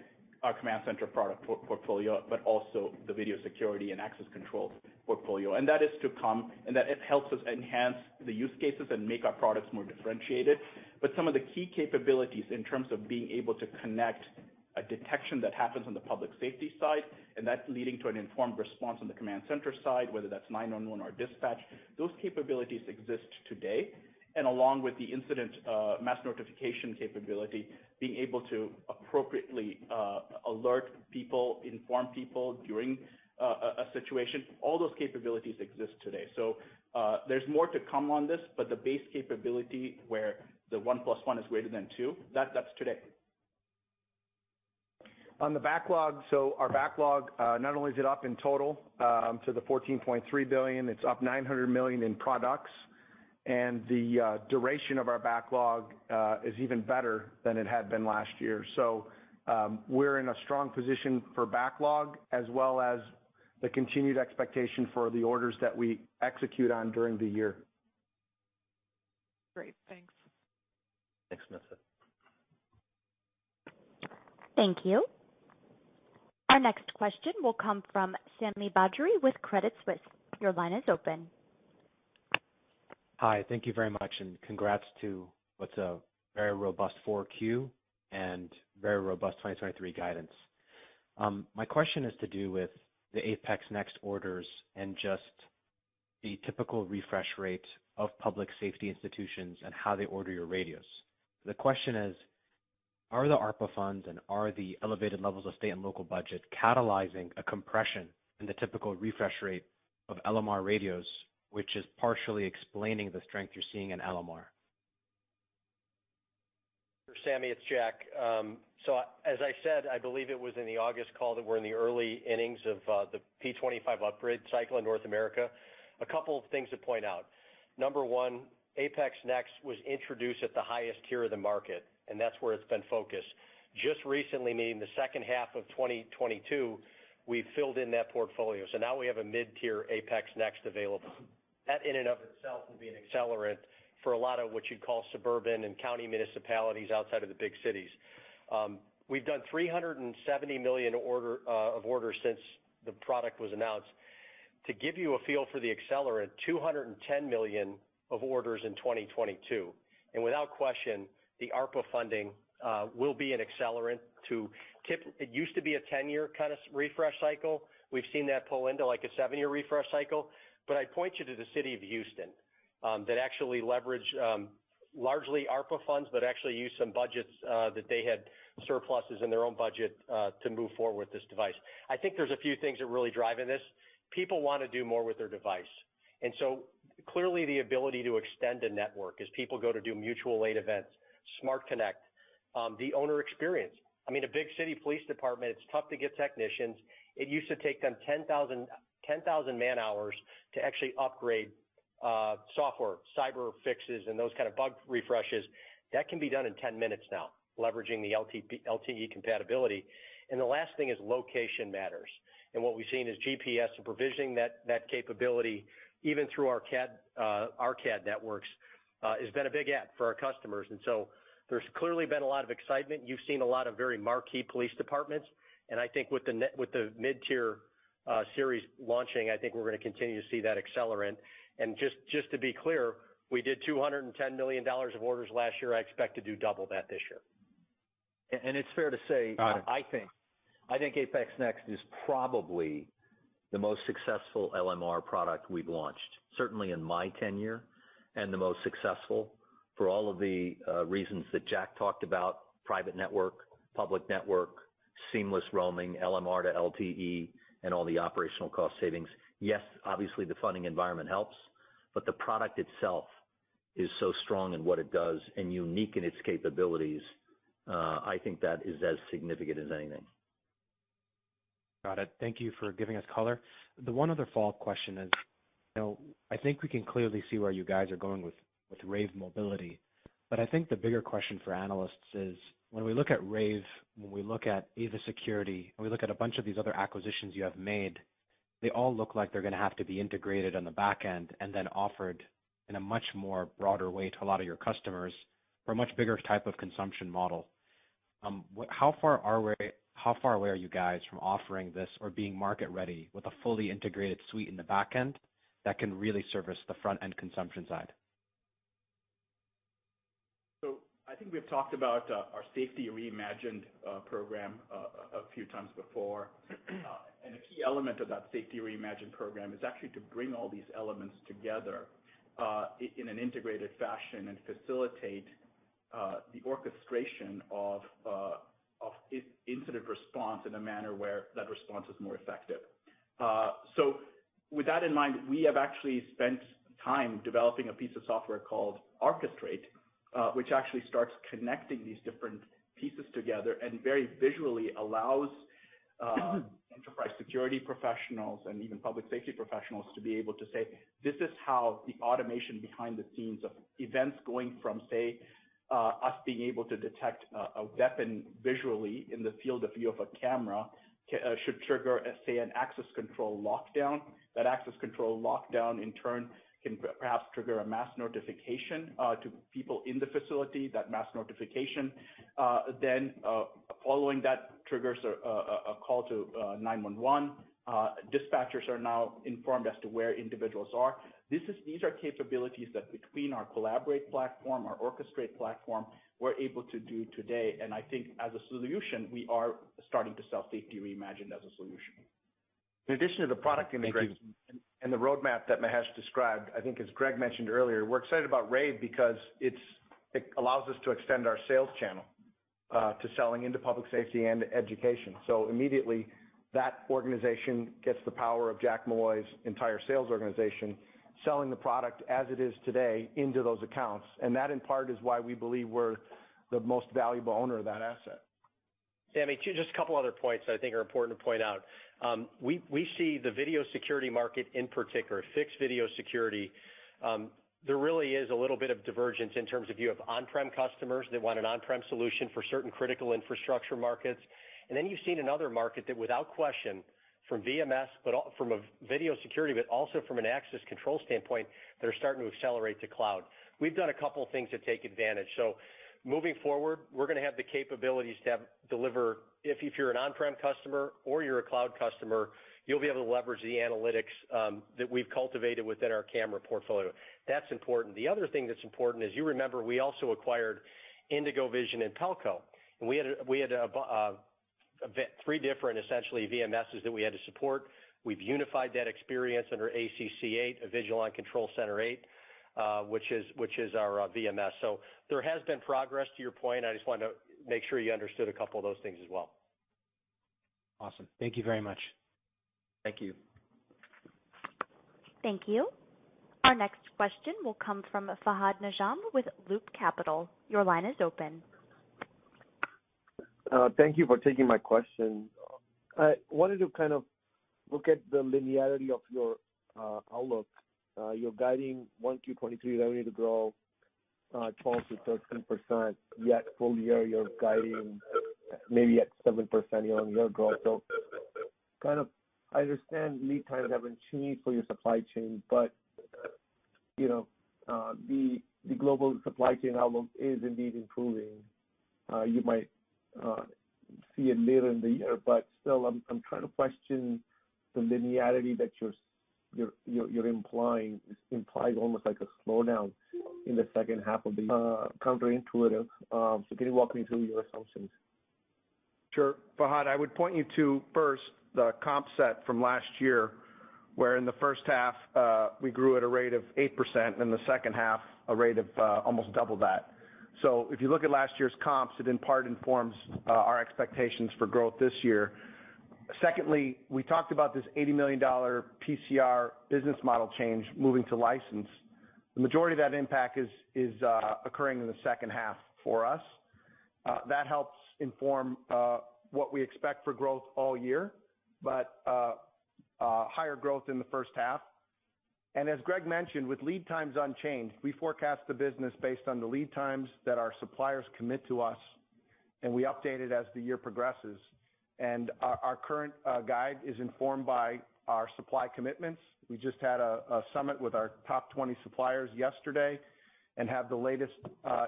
our command center product portfolio, but also the video security and access control portfolio. That is to come, and that it helps us enhance the use cases and make our products more differentiated. Some of the key capabilities in terms of being able to connect a detection that happens on the public safety side and that leading to an informed response on the command center side, whether that's 911 or dispatch, those capabilities exist today. Along with the incident, mass notification capability, being able to appropriately, alert people, inform people during a situation, all those capabilities exist today. There's more to come on this, but the base capability where the one plus one is greater than two, that's today. On the backlog, our backlog, not only is it up in total, to the $14.3 billion, it's up $900 million in products. The duration of our backlog is even better than it had been last year. We're in a strong position for backlog as well as the continued expectation for the orders that we execute on during the year. Great. Thanks. Thanks, Meta. Thank you. Our next question will come from Sami Badri with Credit Suisse. Your line is open. Hi, thank you very much, congrats to what's a very robust 4Q and very robust 2023 guidance. My question has to do with the APX NEXT orders and just the typical refresh rate of public safety institutions and how they order your radios. The question is: Are the ARPA funds and are the elevated levels of state and local budget catalyzing a compression in the typical refresh rate of LMR radios, which is partially explaining the strength you're seeing in LMR? Sami, it's Jack. As I said, I believe it was in the August call that we're in the early innings of the P25 upgrade cycle in North America. A couple of things to point out. Number one, APX NEXT was introduced at the highest tier of the market, and that's where it's been focused. Just recently, meaning the second half of 2022, we filled in that portfolio, so now we have a mid-tier APX NEXT available. That in and of itself will be an accelerant for a lot of what you'd call suburban and county municipalities outside of the big cities. We've done $370 million order of orders since the product was announced. To give you a feel for the accelerant, $210 million of orders in 2022. Without question, the ARPA funding will be an accelerant to tip. It used to be a 10-year kind of refresh cycle. We've seen that pull into, like, a seven-year refresh cycle. I'd point you to the city of Houston that actually leveraged largely ARPA funds, but actually used some budgets that they had surpluses in their own budget to move forward with this device. I think there's a few things that are really driving this. People want to do more with their device. Clearly the ability to extend a network as people go to do mutual aid events, Smart Connect, the owner experience. I mean, a big city police department, it's tough to get technicians. It used to take them 10,000 man-hours to actually upgrade software, cyber fixes and those kind of bug refreshes. That can be done in 10 minutes now, leveraging the LTE compatibility. The last thing is location matters. What we've seen is GPS supervision, that capability, even through our CAD networks, has been a big add for our customers. There's clearly been a lot of excitement. You've seen a lot of very marquee police departments. I think with the mid-tier series launching, I think we're gonna continue to see that accelerant. Just to be clear, we did $210 million of orders last year. I expect to do double that this year. It's fair to say. Got it. I think APX NEXT is probably the most successful LMR product we've launched, certainly in my tenure, the most successful for all of the reasons that Jack talked about: private network, public network, seamless roaming, LMR to LTE, and all the operational cost savings. Yes, obviously, the funding environment helps, but the product itself is so strong in what it does and unique in its capabilities, I think that is as significant as anything. Got it. Thank you for giving us color. The one other follow-up question is, you know, I think we can clearly see where you guys are going with Rave Mobility. I think the bigger question for analysts is, when we look at Rave, when we look at Ava Security, when we look at a bunch of these other acquisitions you have made, they all look like they're gonna have to be integrated on the back end and then offered in a much more broader way to a lot of your customers for a much bigger type of consumption model. How far away are you guys from offering this or being market ready with a fully integrated suite in the back end that can really service the front-end consumption side? I think we've talked about our Safety Reimagined program a few times before. A key element of that Safety Reimagined program is actually to bring all these elements together in an integrated fashion and facilitate the orchestration of incident response in a manner where that response is more effective. With that in mind, we have actually spent time developing a piece of software called Orchestrate, which actually starts connecting these different pieces together and very visually allows enterprise security professionals and even public safety professionals to be able to say, "This is how the automation behind the scenes of events going from, say, us being able to detect a weapon visually in the field of view of a camera, should trigger, say, an access control lockdown. That access control lockdown, in turn, can perhaps trigger a mass notification, to people in the facility. That mass notification, then, following that, triggers a call to 911. Dispatchers are now informed as to where individuals are. These are capabilities that between our Collaborate platform, our Orchestrate platform, we're able to do today. I think as a solution, we are starting to sell Safety Reimagined as a solution. In addition to the product integration and the roadmap that Mahesh described, I think as Greg mentioned earlier, we're excited about Rave because it allows us to extend our sales channel to selling into public safety and education. Immediately, that organization gets the power of Jack Molloy's entire sales organization, selling the product as it is today into those accounts. That, in part, is why we believe we're the most valuable owner of that asset. Sami, two just a couple other points I think are important to point out. We see the video security market in particular, fixed video security, there really is a little bit of divergence in terms of you have on-prem customers that want an on-prem solution for certain critical infrastructure markets. You've seen another market that without question from VMS, but from a video security, but also from an access control standpoint, they're starting to accelerate to cloud. We've done a couple things to take advantage. Moving forward, we're going to have the capabilities to deliver. If you're an on-prem customer or you're a cloud customer, you'll be able to leverage the analytics that we've cultivated within our camera portfolio. That's important. Other thing that's important is you remember we also acquired IndigoVision and Pelco, and we had a three different essentially VMSs that we had to support. We've unified that experience under ACC 8, Avigilon Control Center 8, which is our VMS. There has been progress to your point. I just wanted to make sure you understood a couple of those things as well. Awesome. Thank you very much. Thank you. Thank you. Our next question will come from Fahad Najam with Loop Capital. Your line is open. Thank you for taking my question. I wanted to kind of look at the linearity of your outlook. You're guiding 1Q 2023 revenue to grow 12%-13%, yet full year you're guiding maybe at 7% year-on-year growth. Kind of I understand lead times haven't changed for your supply chain, but, you know, the global supply chain outlook is indeed improving. You might see it later in the year, but still, I'm trying to question the linearity that you're implying. It implies almost like a slowdown in the second half of the counterintuitive. Can you walk me through your assumptions? Sure. Fahad, I would point you to first the comp set from last year, where in the first half, we grew at a rate of 8%, and in the second half, a rate of almost double that. If you look at last year's comps, it in part informs our expectations for growth this year. We talked about this $80 million PCR business model change moving to license. The majority of that impact is occurring in the second half for us. That helps inform what we expect for growth all year, but higher growth in the first half. As Greg mentioned, with lead times unchanged, we forecast the business based on the lead times that our suppliers commit to us, and we update it as the year progresses. Our current guide is informed by our supply commitments. We just had a summit with our top 20 suppliers yesterday and have the latest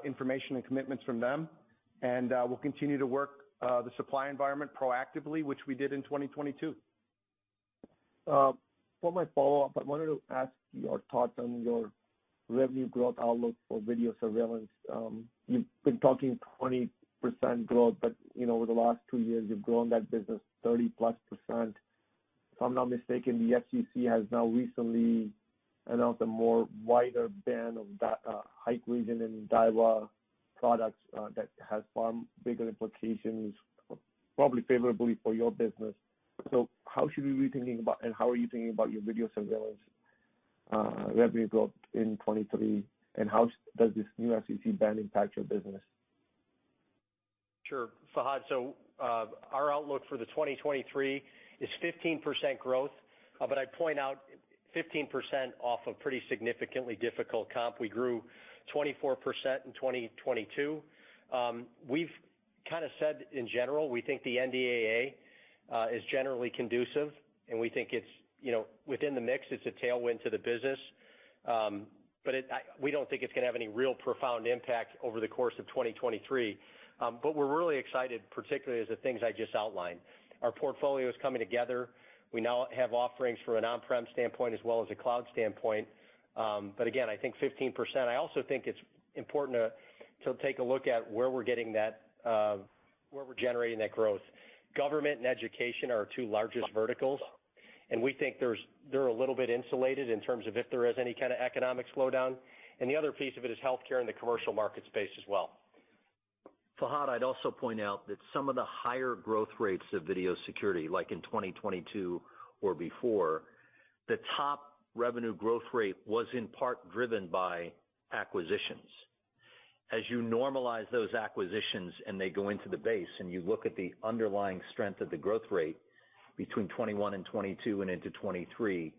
information and commitments from them, and we'll continue to work the supply environment proactively, which we did in 2022. For my follow-up, I wanted to ask your thoughts on your revenue growth outlook for video surveillance. You've been talking 20% growth, but, you know, over the last two years you've grown that business 30%+. If I'm not mistaken, the FCC has now recently announced a more wider ban of Hikvision and Dahua products, that has far bigger implications, probably favorably for your business. How should we be thinking about and how are you thinking about your video surveillance revenue growth in 2023? And how does this new FCC ban impact your business? Sure. Fahad, our outlook for 2023 is 15% growth. I'd point out 15% off a pretty significantly difficult comp. We grew 24% in 2022. We've kind of said in general, we think the NDAA is generally conducive, and we think it's, you know, within the mix, it's a tailwind to the business. We don't think it's gonna have any real profound impact over the course of 2023. We're really excited, particularly as the things I just outlined. Our portfolio is coming together. We now have offerings from an on-prem standpoint as well as a cloud standpoint. Again, I think 15%. I also think it's important to take a look at where we're getting that, where we're generating that growth. Government and education are our two largest verticals, and we think they're a little bit insulated in terms of if there is any kind of economic slowdown. The other piece of it is healthcare and the commercial market space as well. Fahad, I'd also point out that some of the higher growth rates of video security, like in 2022 or before, the top revenue growth rate was in part driven by acquisitions. As you normalize those acquisitions and they go into the base and you look at the underlying strength of the growth rate between 2021 and 2022 and into 2023,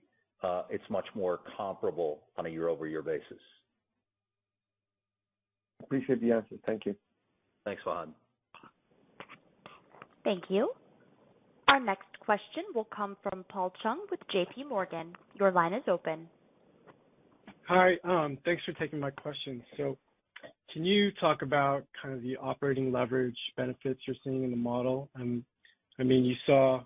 it's much more comparable on a year-over-year basis. Appreciate the answer. Thank you. Thanks, Fahad. Thank you. Our next question will come from Paul Chung with JPMorgan. Your line is open. Hi. Thanks for taking my question. Can you talk about kind of the operating leverage benefits you're seeing in the model? I mean, you saw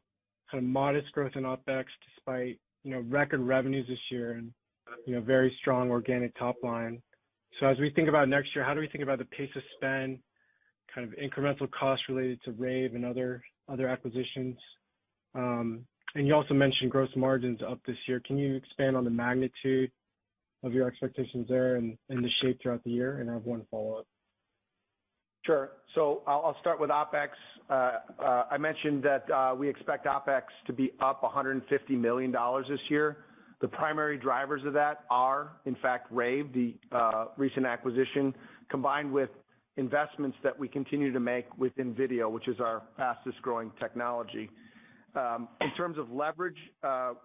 kind of modest growth in OpEx despite, you know, record revenues this year and, you know, very strong organic top line. As we think about next year, how do we think about the pace of spend, kind of incremental costs related to Rave and other acquisitions? And you also mentioned gross margins up this year. Can you expand on the magnitude of your expectations there and the shape throughout the year? I have one follow-up. Sure. I'll start with OpEx. I mentioned that we expect OpEx to be up $150 million this year. The primary drivers of that are, in fact, Rave, the recent acquisition, combined with investments that we continue to make within video, which is our fastest-growing technology. In terms of leverage,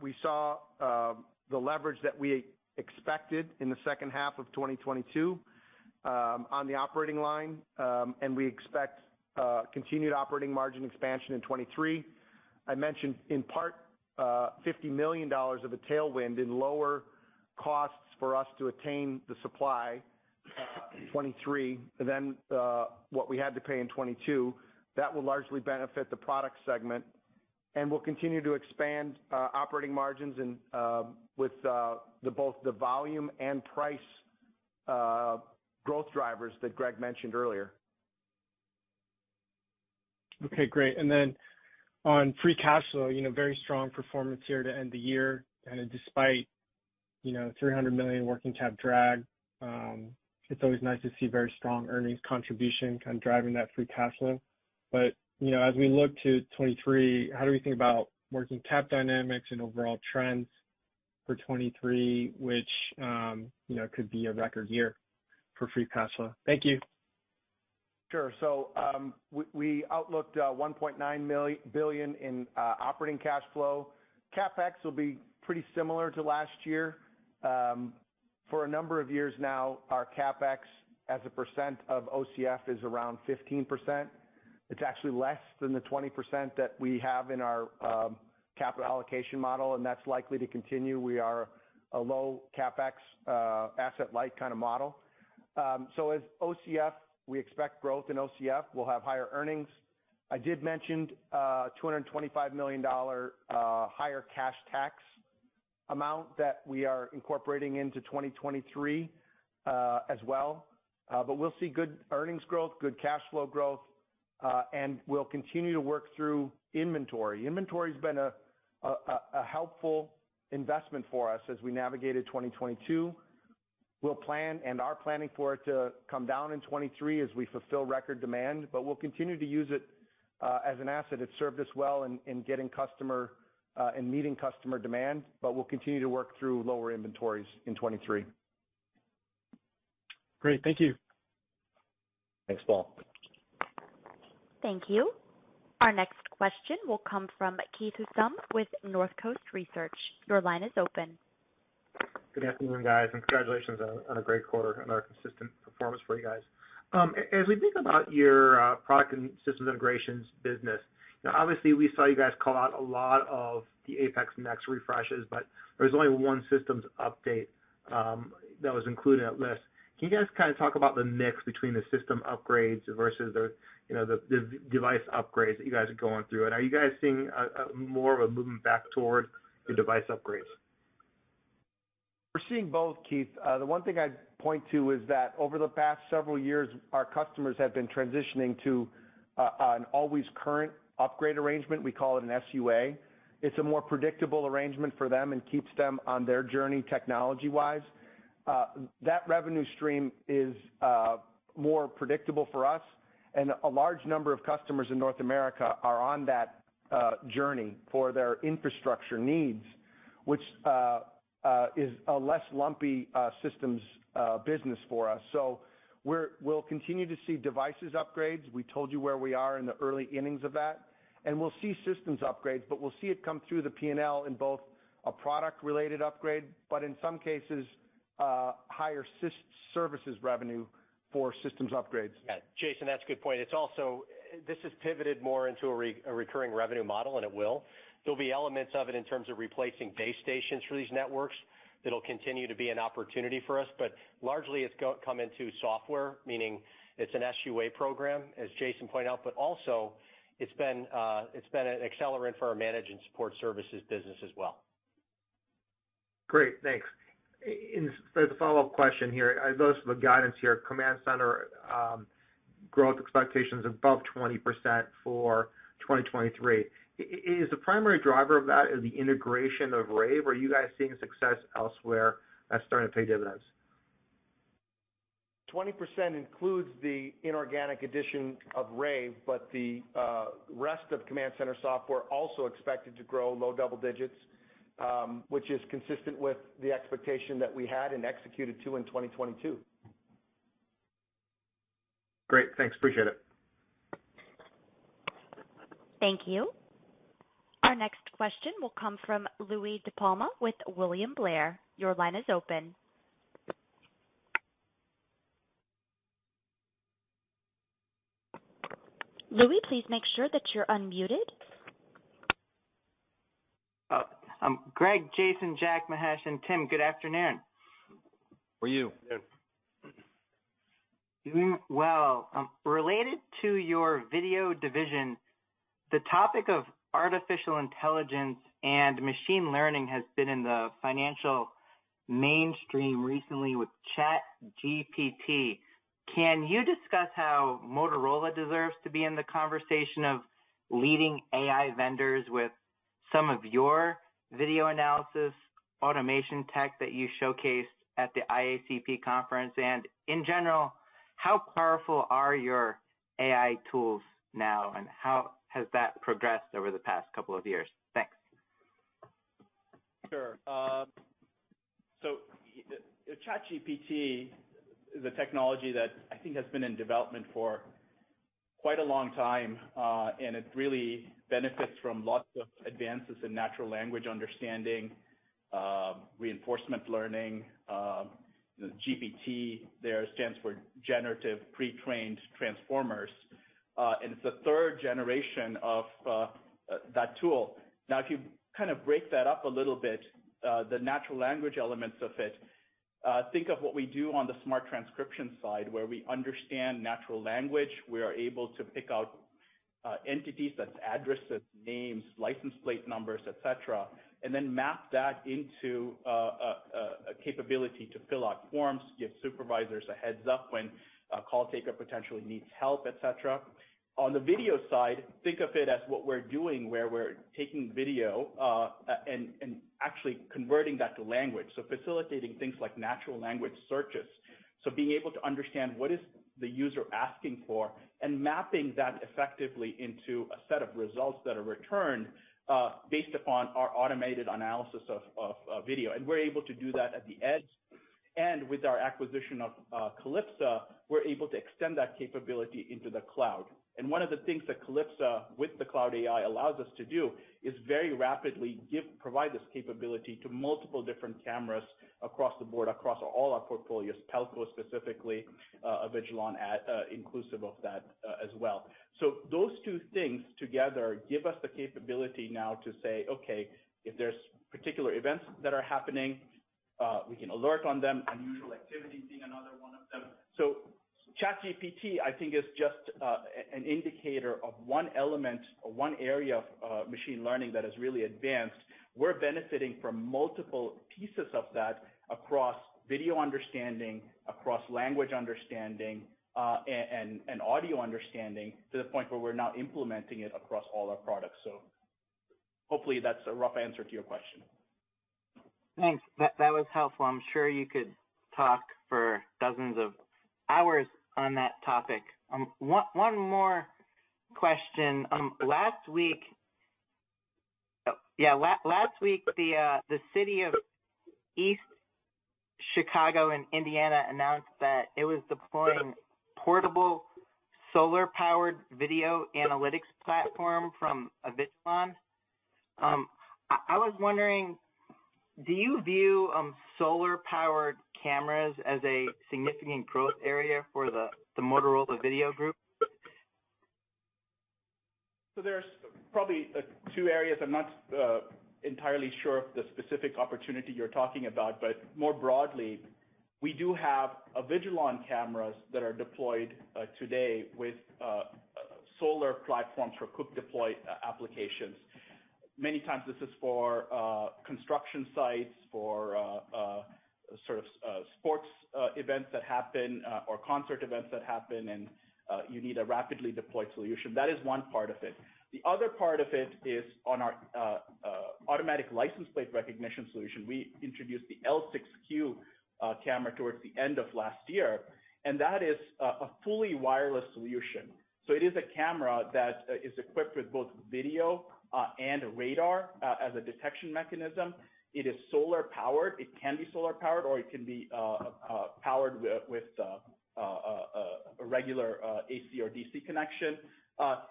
we saw the leverage that we expected in the second half of 2022. On the operating line, we expect continued operating margin expansion in 2023. I mentioned in part, $50 million of a tailwind in lower costs for us to attain the supply 2023 than what we had to pay in 2022. That will largely benefit the product segment, and we'll continue to expand operating margins and with the both the volume and price growth drivers that Greg mentioned earlier. Okay, great. On free cash flow, you know, very strong performance here to end the year. Despite, you know, $300 million working cap drag, it's always nice to see very strong earnings contribution kind of driving that free cash flow. As we look to 2023, how do we think about working cap dynamics and overall trends for 2023, which, you know, could be a record year for free cash flow? Thank you. Sure. We outlooked $1.9 billion in operating cash flow. CapEx will be pretty similar to last year. For a number of years now our CapEx as a percent of OCF is around 15%. It's actually less than the 20% that we have in our capital allocation model, and that's likely to continue. We are a low CapEx, asset light kind of model. As OCF, we expect growth in OCF, we'll have higher earnings. I did mention a $225 million higher cash tax amount that we are incorporating into 2023 as well. We'll see good earnings growth, good cash flow growth, and we'll continue to work through inventory. Inventory's been a helpful investment for us as we navigated 2022. We'll plan and are planning for it to come down in 2023 as we fulfill record demand, but we'll continue to use it as an asset. It's served us well in getting customer in meeting customer demand, We'll continue to work through lower inventories in 2023. Great. Thank you. Thanks, Paul. Thank you. Our next question will come from Keith Housum with Northcoast Research. Your line is open. Good afternoon, guys. Congratulations on a great quarter, another consistent performance for you guys. As we think about your Products and Systems Integration business, you know, obviously we saw you guys call out a lot of the APX NEXT refreshes, but there was only one systems update that was included in that list. Can you guys kind of talk about the mix between the system upgrades versus the, you know, the device upgrades that you guys are going through? Are you guys seeing a more of a movement back toward the device upgrades? We're seeing both, Keith. The one thing I'd point to is that over the past several years, our customers have been transitioning to an always current upgrade arrangement, we call it an SUA. It's a more predictable arrangement for them and keeps them on their journey technology-wise. That revenue stream is more predictable for us, and a large number of customers in North America are on that journey for their infrastructure needs, which is a less lumpy systems business for us. We'll continue to see devices upgrades. We told you where we are in the early innings of that. We'll see systems upgrades, but we'll see it come through the P&L in both a product related upgrade, but in some cases, higher services revenue for systems upgrades. Yeah, Jason, that's a good point. It's also, this has pivoted more into a recurring revenue model, and it will. There'll be elements of it in terms of replacing base stations for these networks. It'll continue to be an opportunity for us. Largely it's come into software, meaning it's an SUA program, as Jason pointed out. Also it's been an accelerant for our manage and support services business as well. Great. Thanks. The follow-up question here, I noticed the guidance here, command center, growth expectations above 20% for 2023. Is the primary driver of that the integration of Rave, or are you guys seeing success elsewhere that's starting to pay dividends? 20% includes the inorganic addition of Rave, but the rest of commandcenter software also expected to grow low double digits, which is consistent with the expectation that we had and executed to in 2022. Great. Thanks. Appreciate it. Thank you. Our next question will come from Louie DiPalma with William Blair. Your line is open. Louie, please make sure that you're unmuted. Greg, Jason, Jack, Mahesh, and Tim, good afternoon. How are you? Doing well. Related to your video division, the topic of artificial intelligence and machine learning has been in the financial mainstream recently with ChatGPT. Can you discuss how Motorola deserves to be in the conversation of leading AI vendors with some of your video analysis automation tech that you showcased at the IACP conference? In general, how powerful are your AI tools now, and how has that progressed over the past couple of years? Thanks. Sure. ChatGPT is a technology that I think has been in development for quite a long time. It really benefits from lots of advances in natural language understanding, reinforcement learning. The GPT there stands for Generative Pre-trained Transformers, and it's the third generation of that tool. If you kind of break that up a little bit, the natural language elements of it, think of what we do on the Smart Transcription side, where we understand natural language. We are able to pick out entities, that's addresses, names, license plate numbers, et cetera, then map that into a capability to fill out forms, give supervisors a heads up when a call taker potentially needs help, et cetera. On the video side, think of it as what we're doing, where we're taking video and actually converting that to language, facilitating things like natural language searches. Being able to understand what is the user asking for and mapping that effectively into a set of results that are returned, based upon our automated analysis of video. We're able to do that at the edge. With our acquisition of Calipsa, we're able to extend that capability into the cloud. One of the things that Calipsa with the cloud AI allows us to do is very rapidly provide this capability to multiple different cameras across the board, across all our portfolios, Pelco specifically, Avigilon inclusive of that as well. Those two things together give us the capability now to say, "Okay, if there's particular events that are happening, we can alert on them." Unusual activity being another one of them. ChatGPT, I think is just an indicator of one element or one area of machine learning that has really advanced. We're benefiting from multiple pieces of that across video understanding, across language understanding, and audio understanding, to the point where we're now implementing it across all our products. Hopefully that's a rough answer to your question. Thanks. That was helpful. I'm sure you could talk for dozens of hours on that topic. One more question. Last week, the city of East Chicago and Indiana announced that it was deploying portable solar-powered video analytics platform from Avigilon. I was wondering, do you view solar-powered cameras as a significant growth area for the Motorola video group? There's probably two areas. I'm not entirely sure of the specific opportunity you're talking about. More broadly, we do have Avigilon cameras that are deployed today with solar platforms for quick deploy applications. Many times this is for construction sites, for sort of sports events that happen or concert events that happen and you need a rapidly deployed solution. That is one part of it. The other part of it is on our automatic license plate recognition solution. We introduced the L6Q camera towards the end of last year, and that is a fully wireless solution. It is a camera that is equipped with both video and radar as a detection mechanism. It is solar powered. It can be solar powered, or it can be powered with a regular AC or DC connection.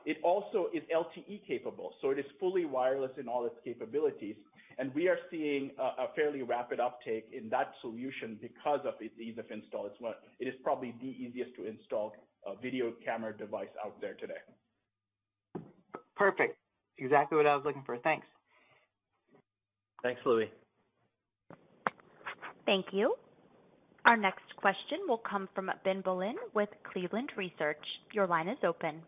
It also is LTE capable, so it is fully wireless in all its capabilities. We are seeing a fairly rapid uptake in that solution because of the ease of install. It is probably the easiest to install video camera device out there today. Perfect. Exactly what I was looking for. Thanks. Thanks, Louie. Thank you. Our next question will come from Ben Bollin with Cleveland Research. Your line is open.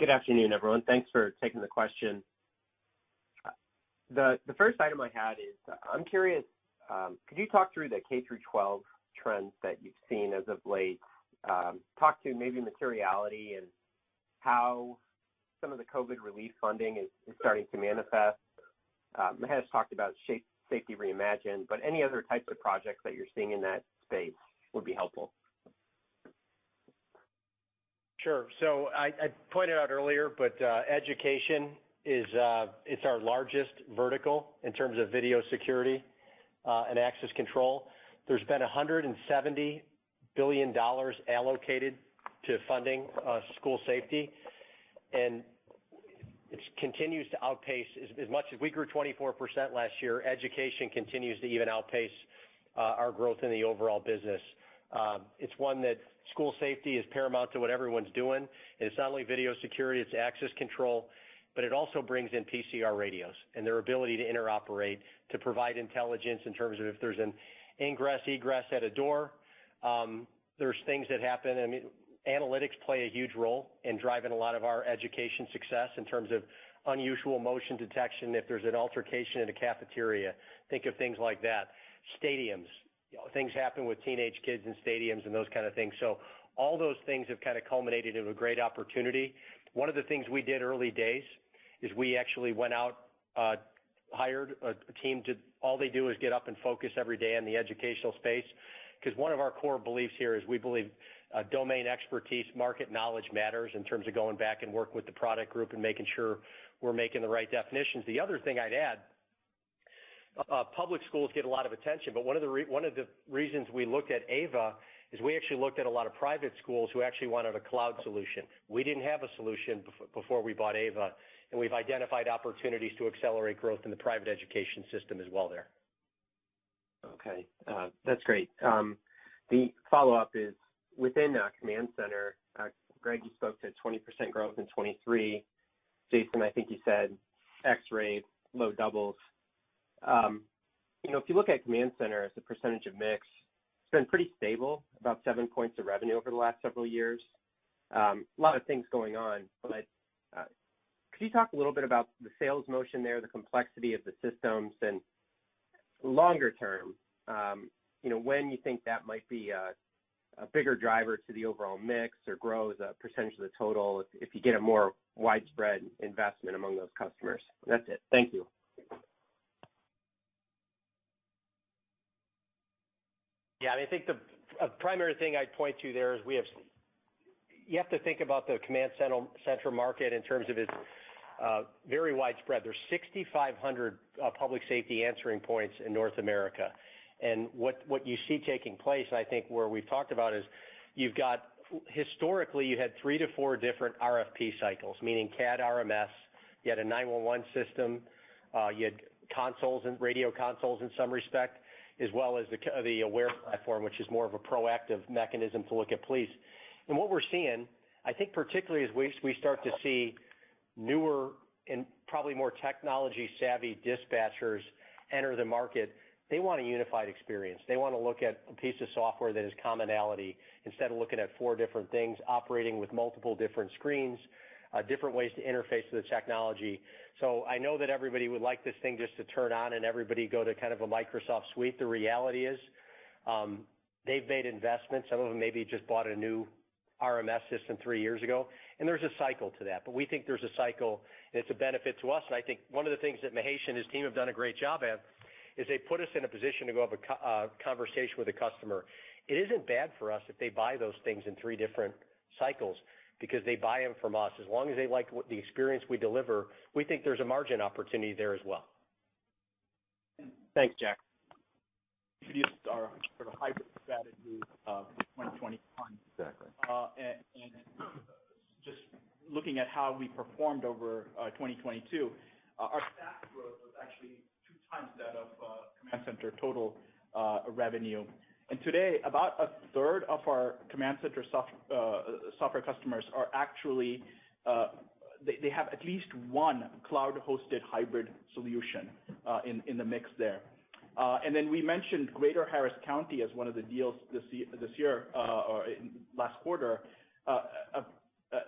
Good afternoon, everyone. Thanks for taking the question. The first item I had is, I'm curious, could you talk through the K-12 trends that you've seen as of late? Talk to maybe materiality and how some of the COVID relief funding is starting to manifest. Mahesh talked about Safety Reimagined, but any other types of projects that you're seeing in that space would be helpful. Sure. I pointed out earlier, but education is, it's our largest vertical in terms of video security and access control. There's been $170 billion allocated to funding school safety, and it continues to outpace as much as we grew 24% last year, education continues to even outpace our growth in the overall business. It's one that school safety is paramount to what everyone's doing. It's not only video security, it's access control, but it also brings in PCR radios and their ability to interoperate, to provide intelligence in terms of if there's an ingress, egress at a door, there's things that happen. I mean, analytics play a huge role in driving a lot of our education success in terms of unusual motion detection. If there's an altercation in a cafeteria, think of things like that. Stadiums, things happen with teenage kids in stadiums and those kind of things. All those things have kind of culminated into a great opportunity. One of the things we did early days is we actually went out, hired a team to. All they do is get up and focus every day in the educational space. Because one of our core beliefs here is we believe domain expertise, market knowledge matters in terms of going back and work with the product group and making sure we're making the right definitions. The other thing I'd add. Public schools get a lot of attention, but one of the reasons we looked at Ava is we actually looked at a lot of private schools who actually wanted a cloud solution. We didn't have a solution before we bought Ava, and we've identified opportunities to accelerate growth in the private education system as well there. Okay. That's great. The follow-up is within command center, Greg, you spoke to 20% growth in 2023. Jason, I think you said FX rate low doubles. You know, if you look at command center as a percentage of mix, it's been pretty stable, about 7 points of revenue over the last several years. A lot of things going on, could you talk a little bit about the sales motion there, the complexity of the systems? Longer term, you know, when you think that might be a bigger driver to the overall mix or grow as a percentage of the total, if you get a more widespread investment among those customers. That's it. Thank you. Yeah. I think a primary thing I'd point to there is you have to think about the command center market in terms of its very widespread. There's 6,500 public safety answering points in North America. What you see taking place, and I think where we've talked about, historically, you had three to four different RFP cycles, meaning CAD RMS. You had a 911 system. You had consoles and radio consoles in some respect, as well as the aware platform, which is more of a proactive mechanism to look at police. What we're seeing, I think particularly as we start to see newer and probably more technology-savvy dispatchers enter the market, they want a unified experience. They wanna look at a piece of software that is commonality instead of looking at four different things, operating with multiple different screens, different ways to interface with the technology. I know that everybody would like this thing just to turn on and everybody go to kind of a Microsoft Suite. The reality is, they've made investments. Some of them maybe just bought a new RMS system three years ago, and there's a cycle to that. We think there's a cycle, and it's a benefit to us. I think one of the things that Mahesh and his team have done a great job at is they put us in a position to go have a conversation with a customer. It isn't bad for us if they buy those things in three different cycles because they buy them from us. As long as they like what the experience we deliver, we think there's a margin opportunity there as well. Thanks, Jack. These are sort of hybrid strategy of 2021. Exactly. Just looking at how we performed over 2022, our staff growth was actually two times that of command center total revenue. Today, about a third of our command center software customers actually, they have at least one cloud-hosted hybrid solution in the mix there. We mentioned Greater Harris County as one of the deals this year or last quarter.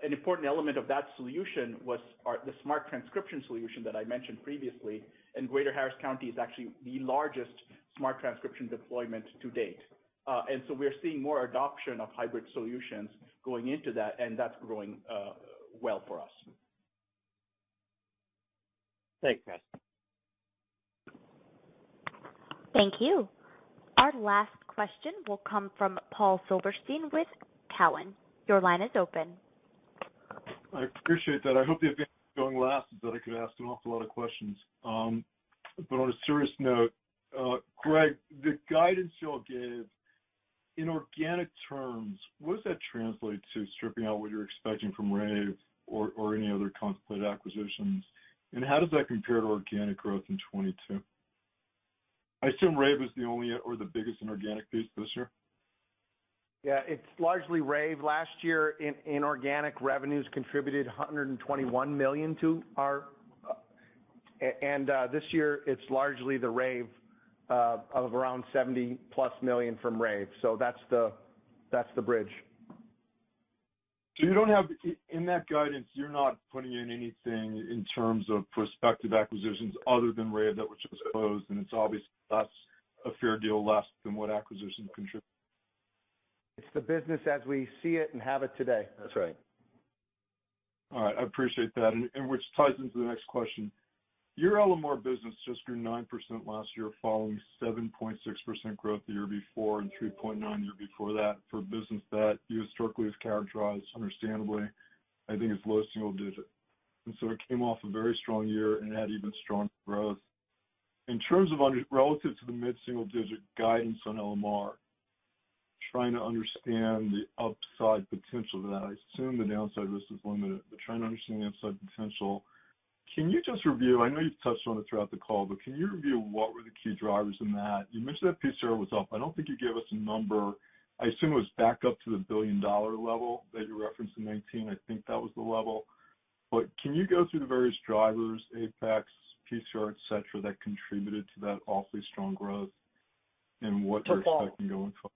An important element of that solution was our the Smart Transcription solution that I mentioned previously, and Greater Harris County is actually the largest Smart Transcription deployment to date. We're seeing more adoption of hybrid solutions going into that, and that's growing well for us. Thanks, guys. Thank you. Our last question will come from Paul Silverstein with Cowen. Your line is open. I appreciate that. I hope the advance going last is that I could ask an awful lot of questions. On a serious note, Greg, the guidance you all gave in organic terms, what does that translate to stripping out what you're expecting from Rave or any other contemplate acquisitions? How does that compare to organic growth in 2022? I assume Rave was the only or the biggest inorganic piece this year. Yeah. It's largely Rave. Last year in organic revenues contributed $121 million to our, and this year, it's largely the Rave of around $70+ million from Rave. That's the bridge. In that guidance, you're not putting in anything in terms of prospective acquisitions other than Rave that was just closed, and it's obvious that's a fair deal less than what acquisitions contribute. It's the business as we see it and have it today. That's right. All right. I appreciate that, and which ties into the next question. Your LMR business just grew 9% last year, following 7.6% growth the year before and 3.9% the year before that. For business that you historically have characterized understandably, I think it's low single digit. It came off a very strong year and had even stronger growth. In terms of relative to the mid-single digit guidance on LMR, trying to understand the upside potential to that. I assume the downside risk is limited, but trying to understand the upside potential. Can you just review, I know you've touched on it throughout the call, but can you review what were the key drivers in that? You mentioned that PCR was up. I don't think you gave us a number. I assume it was back up to the billion-dollar level that you referenced in 2019. I think that was the level. Can you go through the various drivers, APX, PCR, et cetera, that contributed to that awfully strong growth and what you're expecting going forward?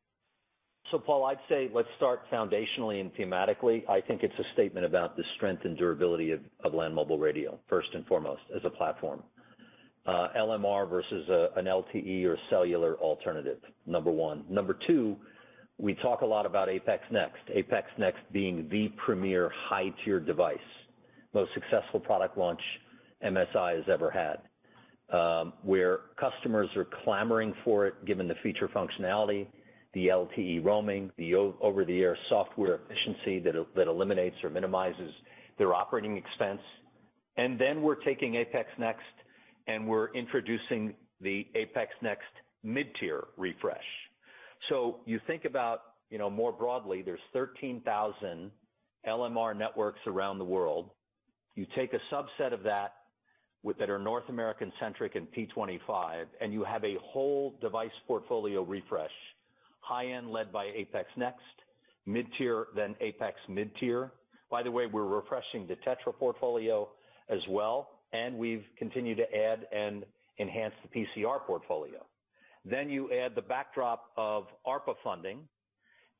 Paul, I'd say let's start foundationally and thematically. I think it's a statement about the strength and durability of Land Mobile Radio, first and foremost, as a platform. LMR versus an LTE or cellular alternative, number one. Number two, we talk a lot about APX NEXT. APX NEXT being the premier high-tier device. Most successful product launch MSI has ever had. Where customers are clamoring for it, given the feature functionality, the LTE roaming, the over the air software efficiency that eliminates or minimizes their operating expense. We're taking APX NEXT, and we're introducing the APX NEXT mid-tier refresh. You think about, you know, more broadly, there's 13,000 LMR networks around the world. You take a subset of that that are North American-centric and P25, and you have a whole device portfolio refresh. High-end led by APX NEXT, mid-tier, then APX mid-tier. By the way, we're refreshing the TETRA portfolio as well, and we've continued to add and enhance the PCR portfolio. You add the backdrop of ARPA funding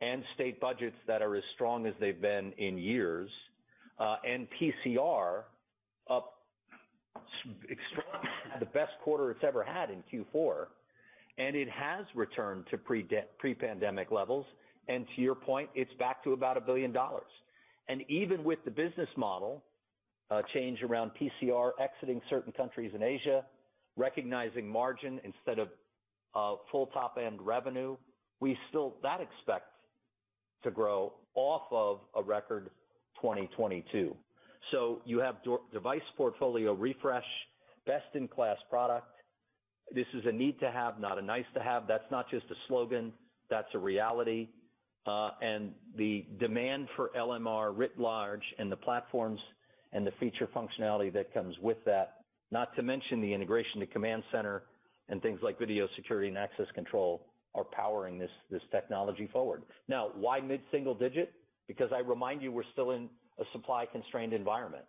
and state budgets that are as strong as they've been in years, and PCR up extremely the best quarter it's ever had in Q4. It has returned to pre-pandemic levels. To your point, it's back to about $1 billion. Even with the business model change around PCR exiting certain countries in Asia, recognizing margin instead of full top-end revenue, we still expect to grow off of a record 2022. You have device portfolio refresh, best-in-class product. This is a need to have, not a nice to have. That's not just a slogan, that's a reality. The demand for LMR writ large and the platforms and the feature functionality that comes with that, not to mention the integration to command center and things like video security and access control are powering this technology forward. Why mid-single digit? I remind you, we're still in a supply-constrained environment.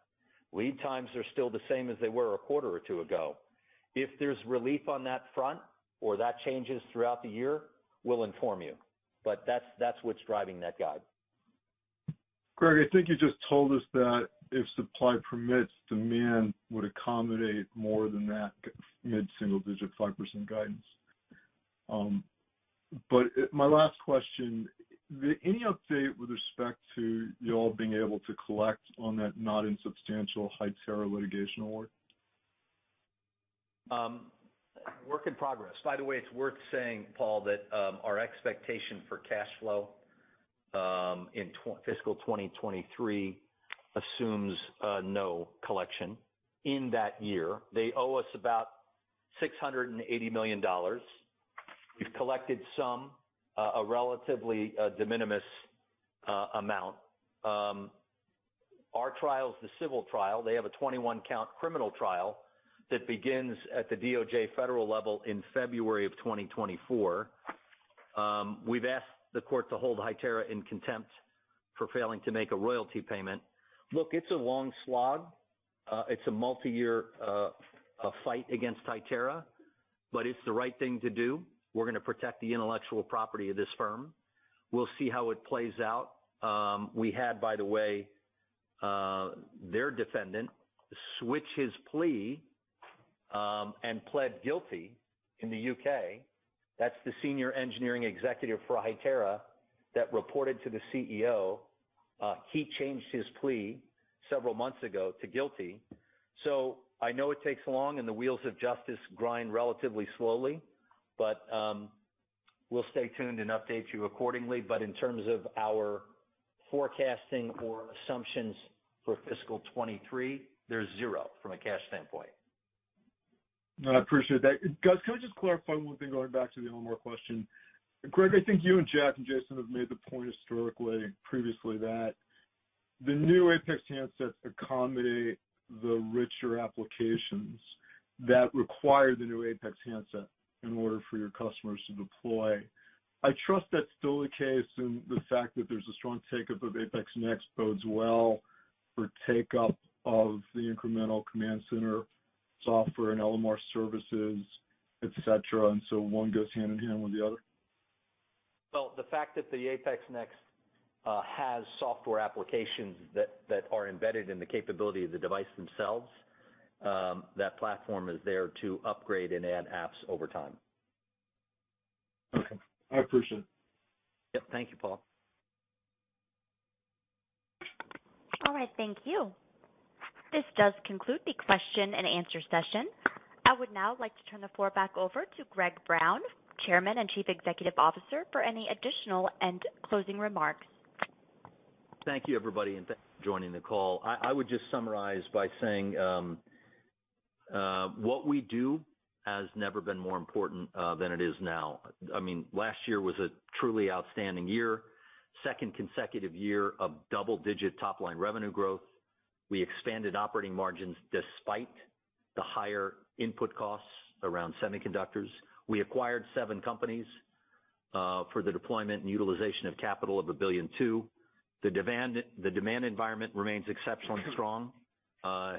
Lead times are still the same as they were a quarter or two ago. If there's relief on that front or that changes throughout the year, we'll inform you. That's what's driving that guide. Greg, I think you just told us that if supply permits, demand would accommodate more than that mid-single digit 5% guidance. My last question. Any update with respect to y'all being able to collect on that not insubstantial Hytera litigation award? Work in progress. It's worth saying, Paul, that our expectation for cash flow in fiscal 2023 assumes no collection in that year. They owe us about $680 million. We've collected some, a relatively de minimis amount. Our trial is the civil trial. They have a 21-count criminal trial that begins at the DOJ federal level in February of 2024. We've asked the court to hold Hytera in contempt for failing to make a royalty payment. Look, it's a long slog. It's a multi-year fight against Hytera. It's the right thing to do. We're gonna protect the intellectual property of this firm. We'll see how it plays out. We had, by the way, their defendant switch his plea and pled guilty in the U.K. That's the senior engineering executive for Hytera that reported to the CEO. He changed his plea several months ago to guilty. I know it takes long, and the wheels of justice grind relatively slowly, but, we'll stay tuned and update you accordingly. In terms of our forecasting or assumptions for fiscal 2023, they're zero from a cash standpoint. No, I appreciate that. Can we just clarify one thing going back to the LMR question? Greg, I think you and Jack and Jason have made the point historically previously that the new APX handsets accommodate the richer applications that require the new APX handset in order for your customers to deploy. I trust that's still the case, and the fact that there's a strong take-up of APX NEXT bodes well for take-up of the incremental command center software and LMR Services, et cetera, and so one goes hand-in-hand with the other? Well, the fact that the APX NEXT has software applications that are embedded in the capability of the device themselves, that platform is there to upgrade and add apps over time. Okay, I appreciate it. Yep. Thank you, Paul. All right. Thank you. This does conclude the question-and-answer session. I would now like to turn the floor back over to Greg Brown, Chairman and Chief Executive Officer, for any additional and closing remarks. Thank you, everybody, and thanks for joining the call. I would just summarize by saying what we do has never been more important than it is now. I mean, last year was a truly outstanding year, second consecutive year of double-digit top-line revenue growth. We expanded operating margins despite the higher input costs around semiconductors. We acquired seven companies for the deployment and utilization of capital of $1.2 billion. The demand environment remains exceptionally strong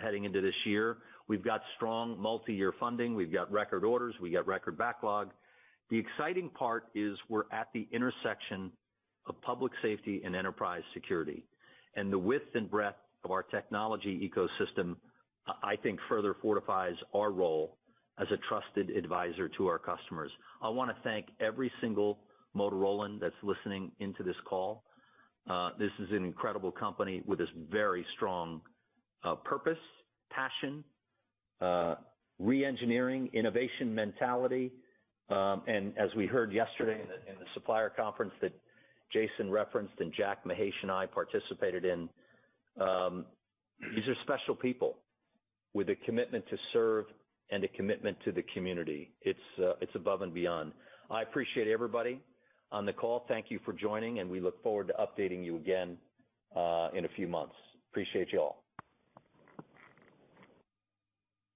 heading into this year. We've got strong multi-year funding. We've got record orders. We got record backlog. The exciting part is we're at the intersection of public safety and enterprise security. The width and breadth of our technology ecosystem, I think further fortifies our role as a trusted advisor to our customers. I wanna thank every single Motorolan that's listening into this call. This is an incredible company with this very strong, purpose, passion, re-engineering, innovation mentality. As we heard yesterday in the, in the supplier conference that Jason referenced and Jack Mahesh and I participated in, these are special people with a commitment to serve and a commitment to the community. It's above and beyond. I appreciate everybody on the call. Thank you for joining, and we look forward to updating you again, in a few months. Appreciate you all.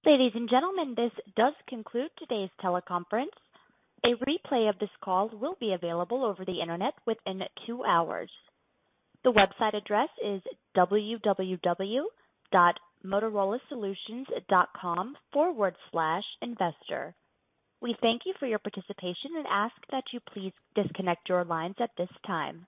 Ladies and gentlemen, this does conclude today's teleconference. A replay of this call will be available over the internet within 2 hours. The website address is www.motorolasolutions.com/investor. We thank you for your participation and ask that you please disconnect your lines at this time.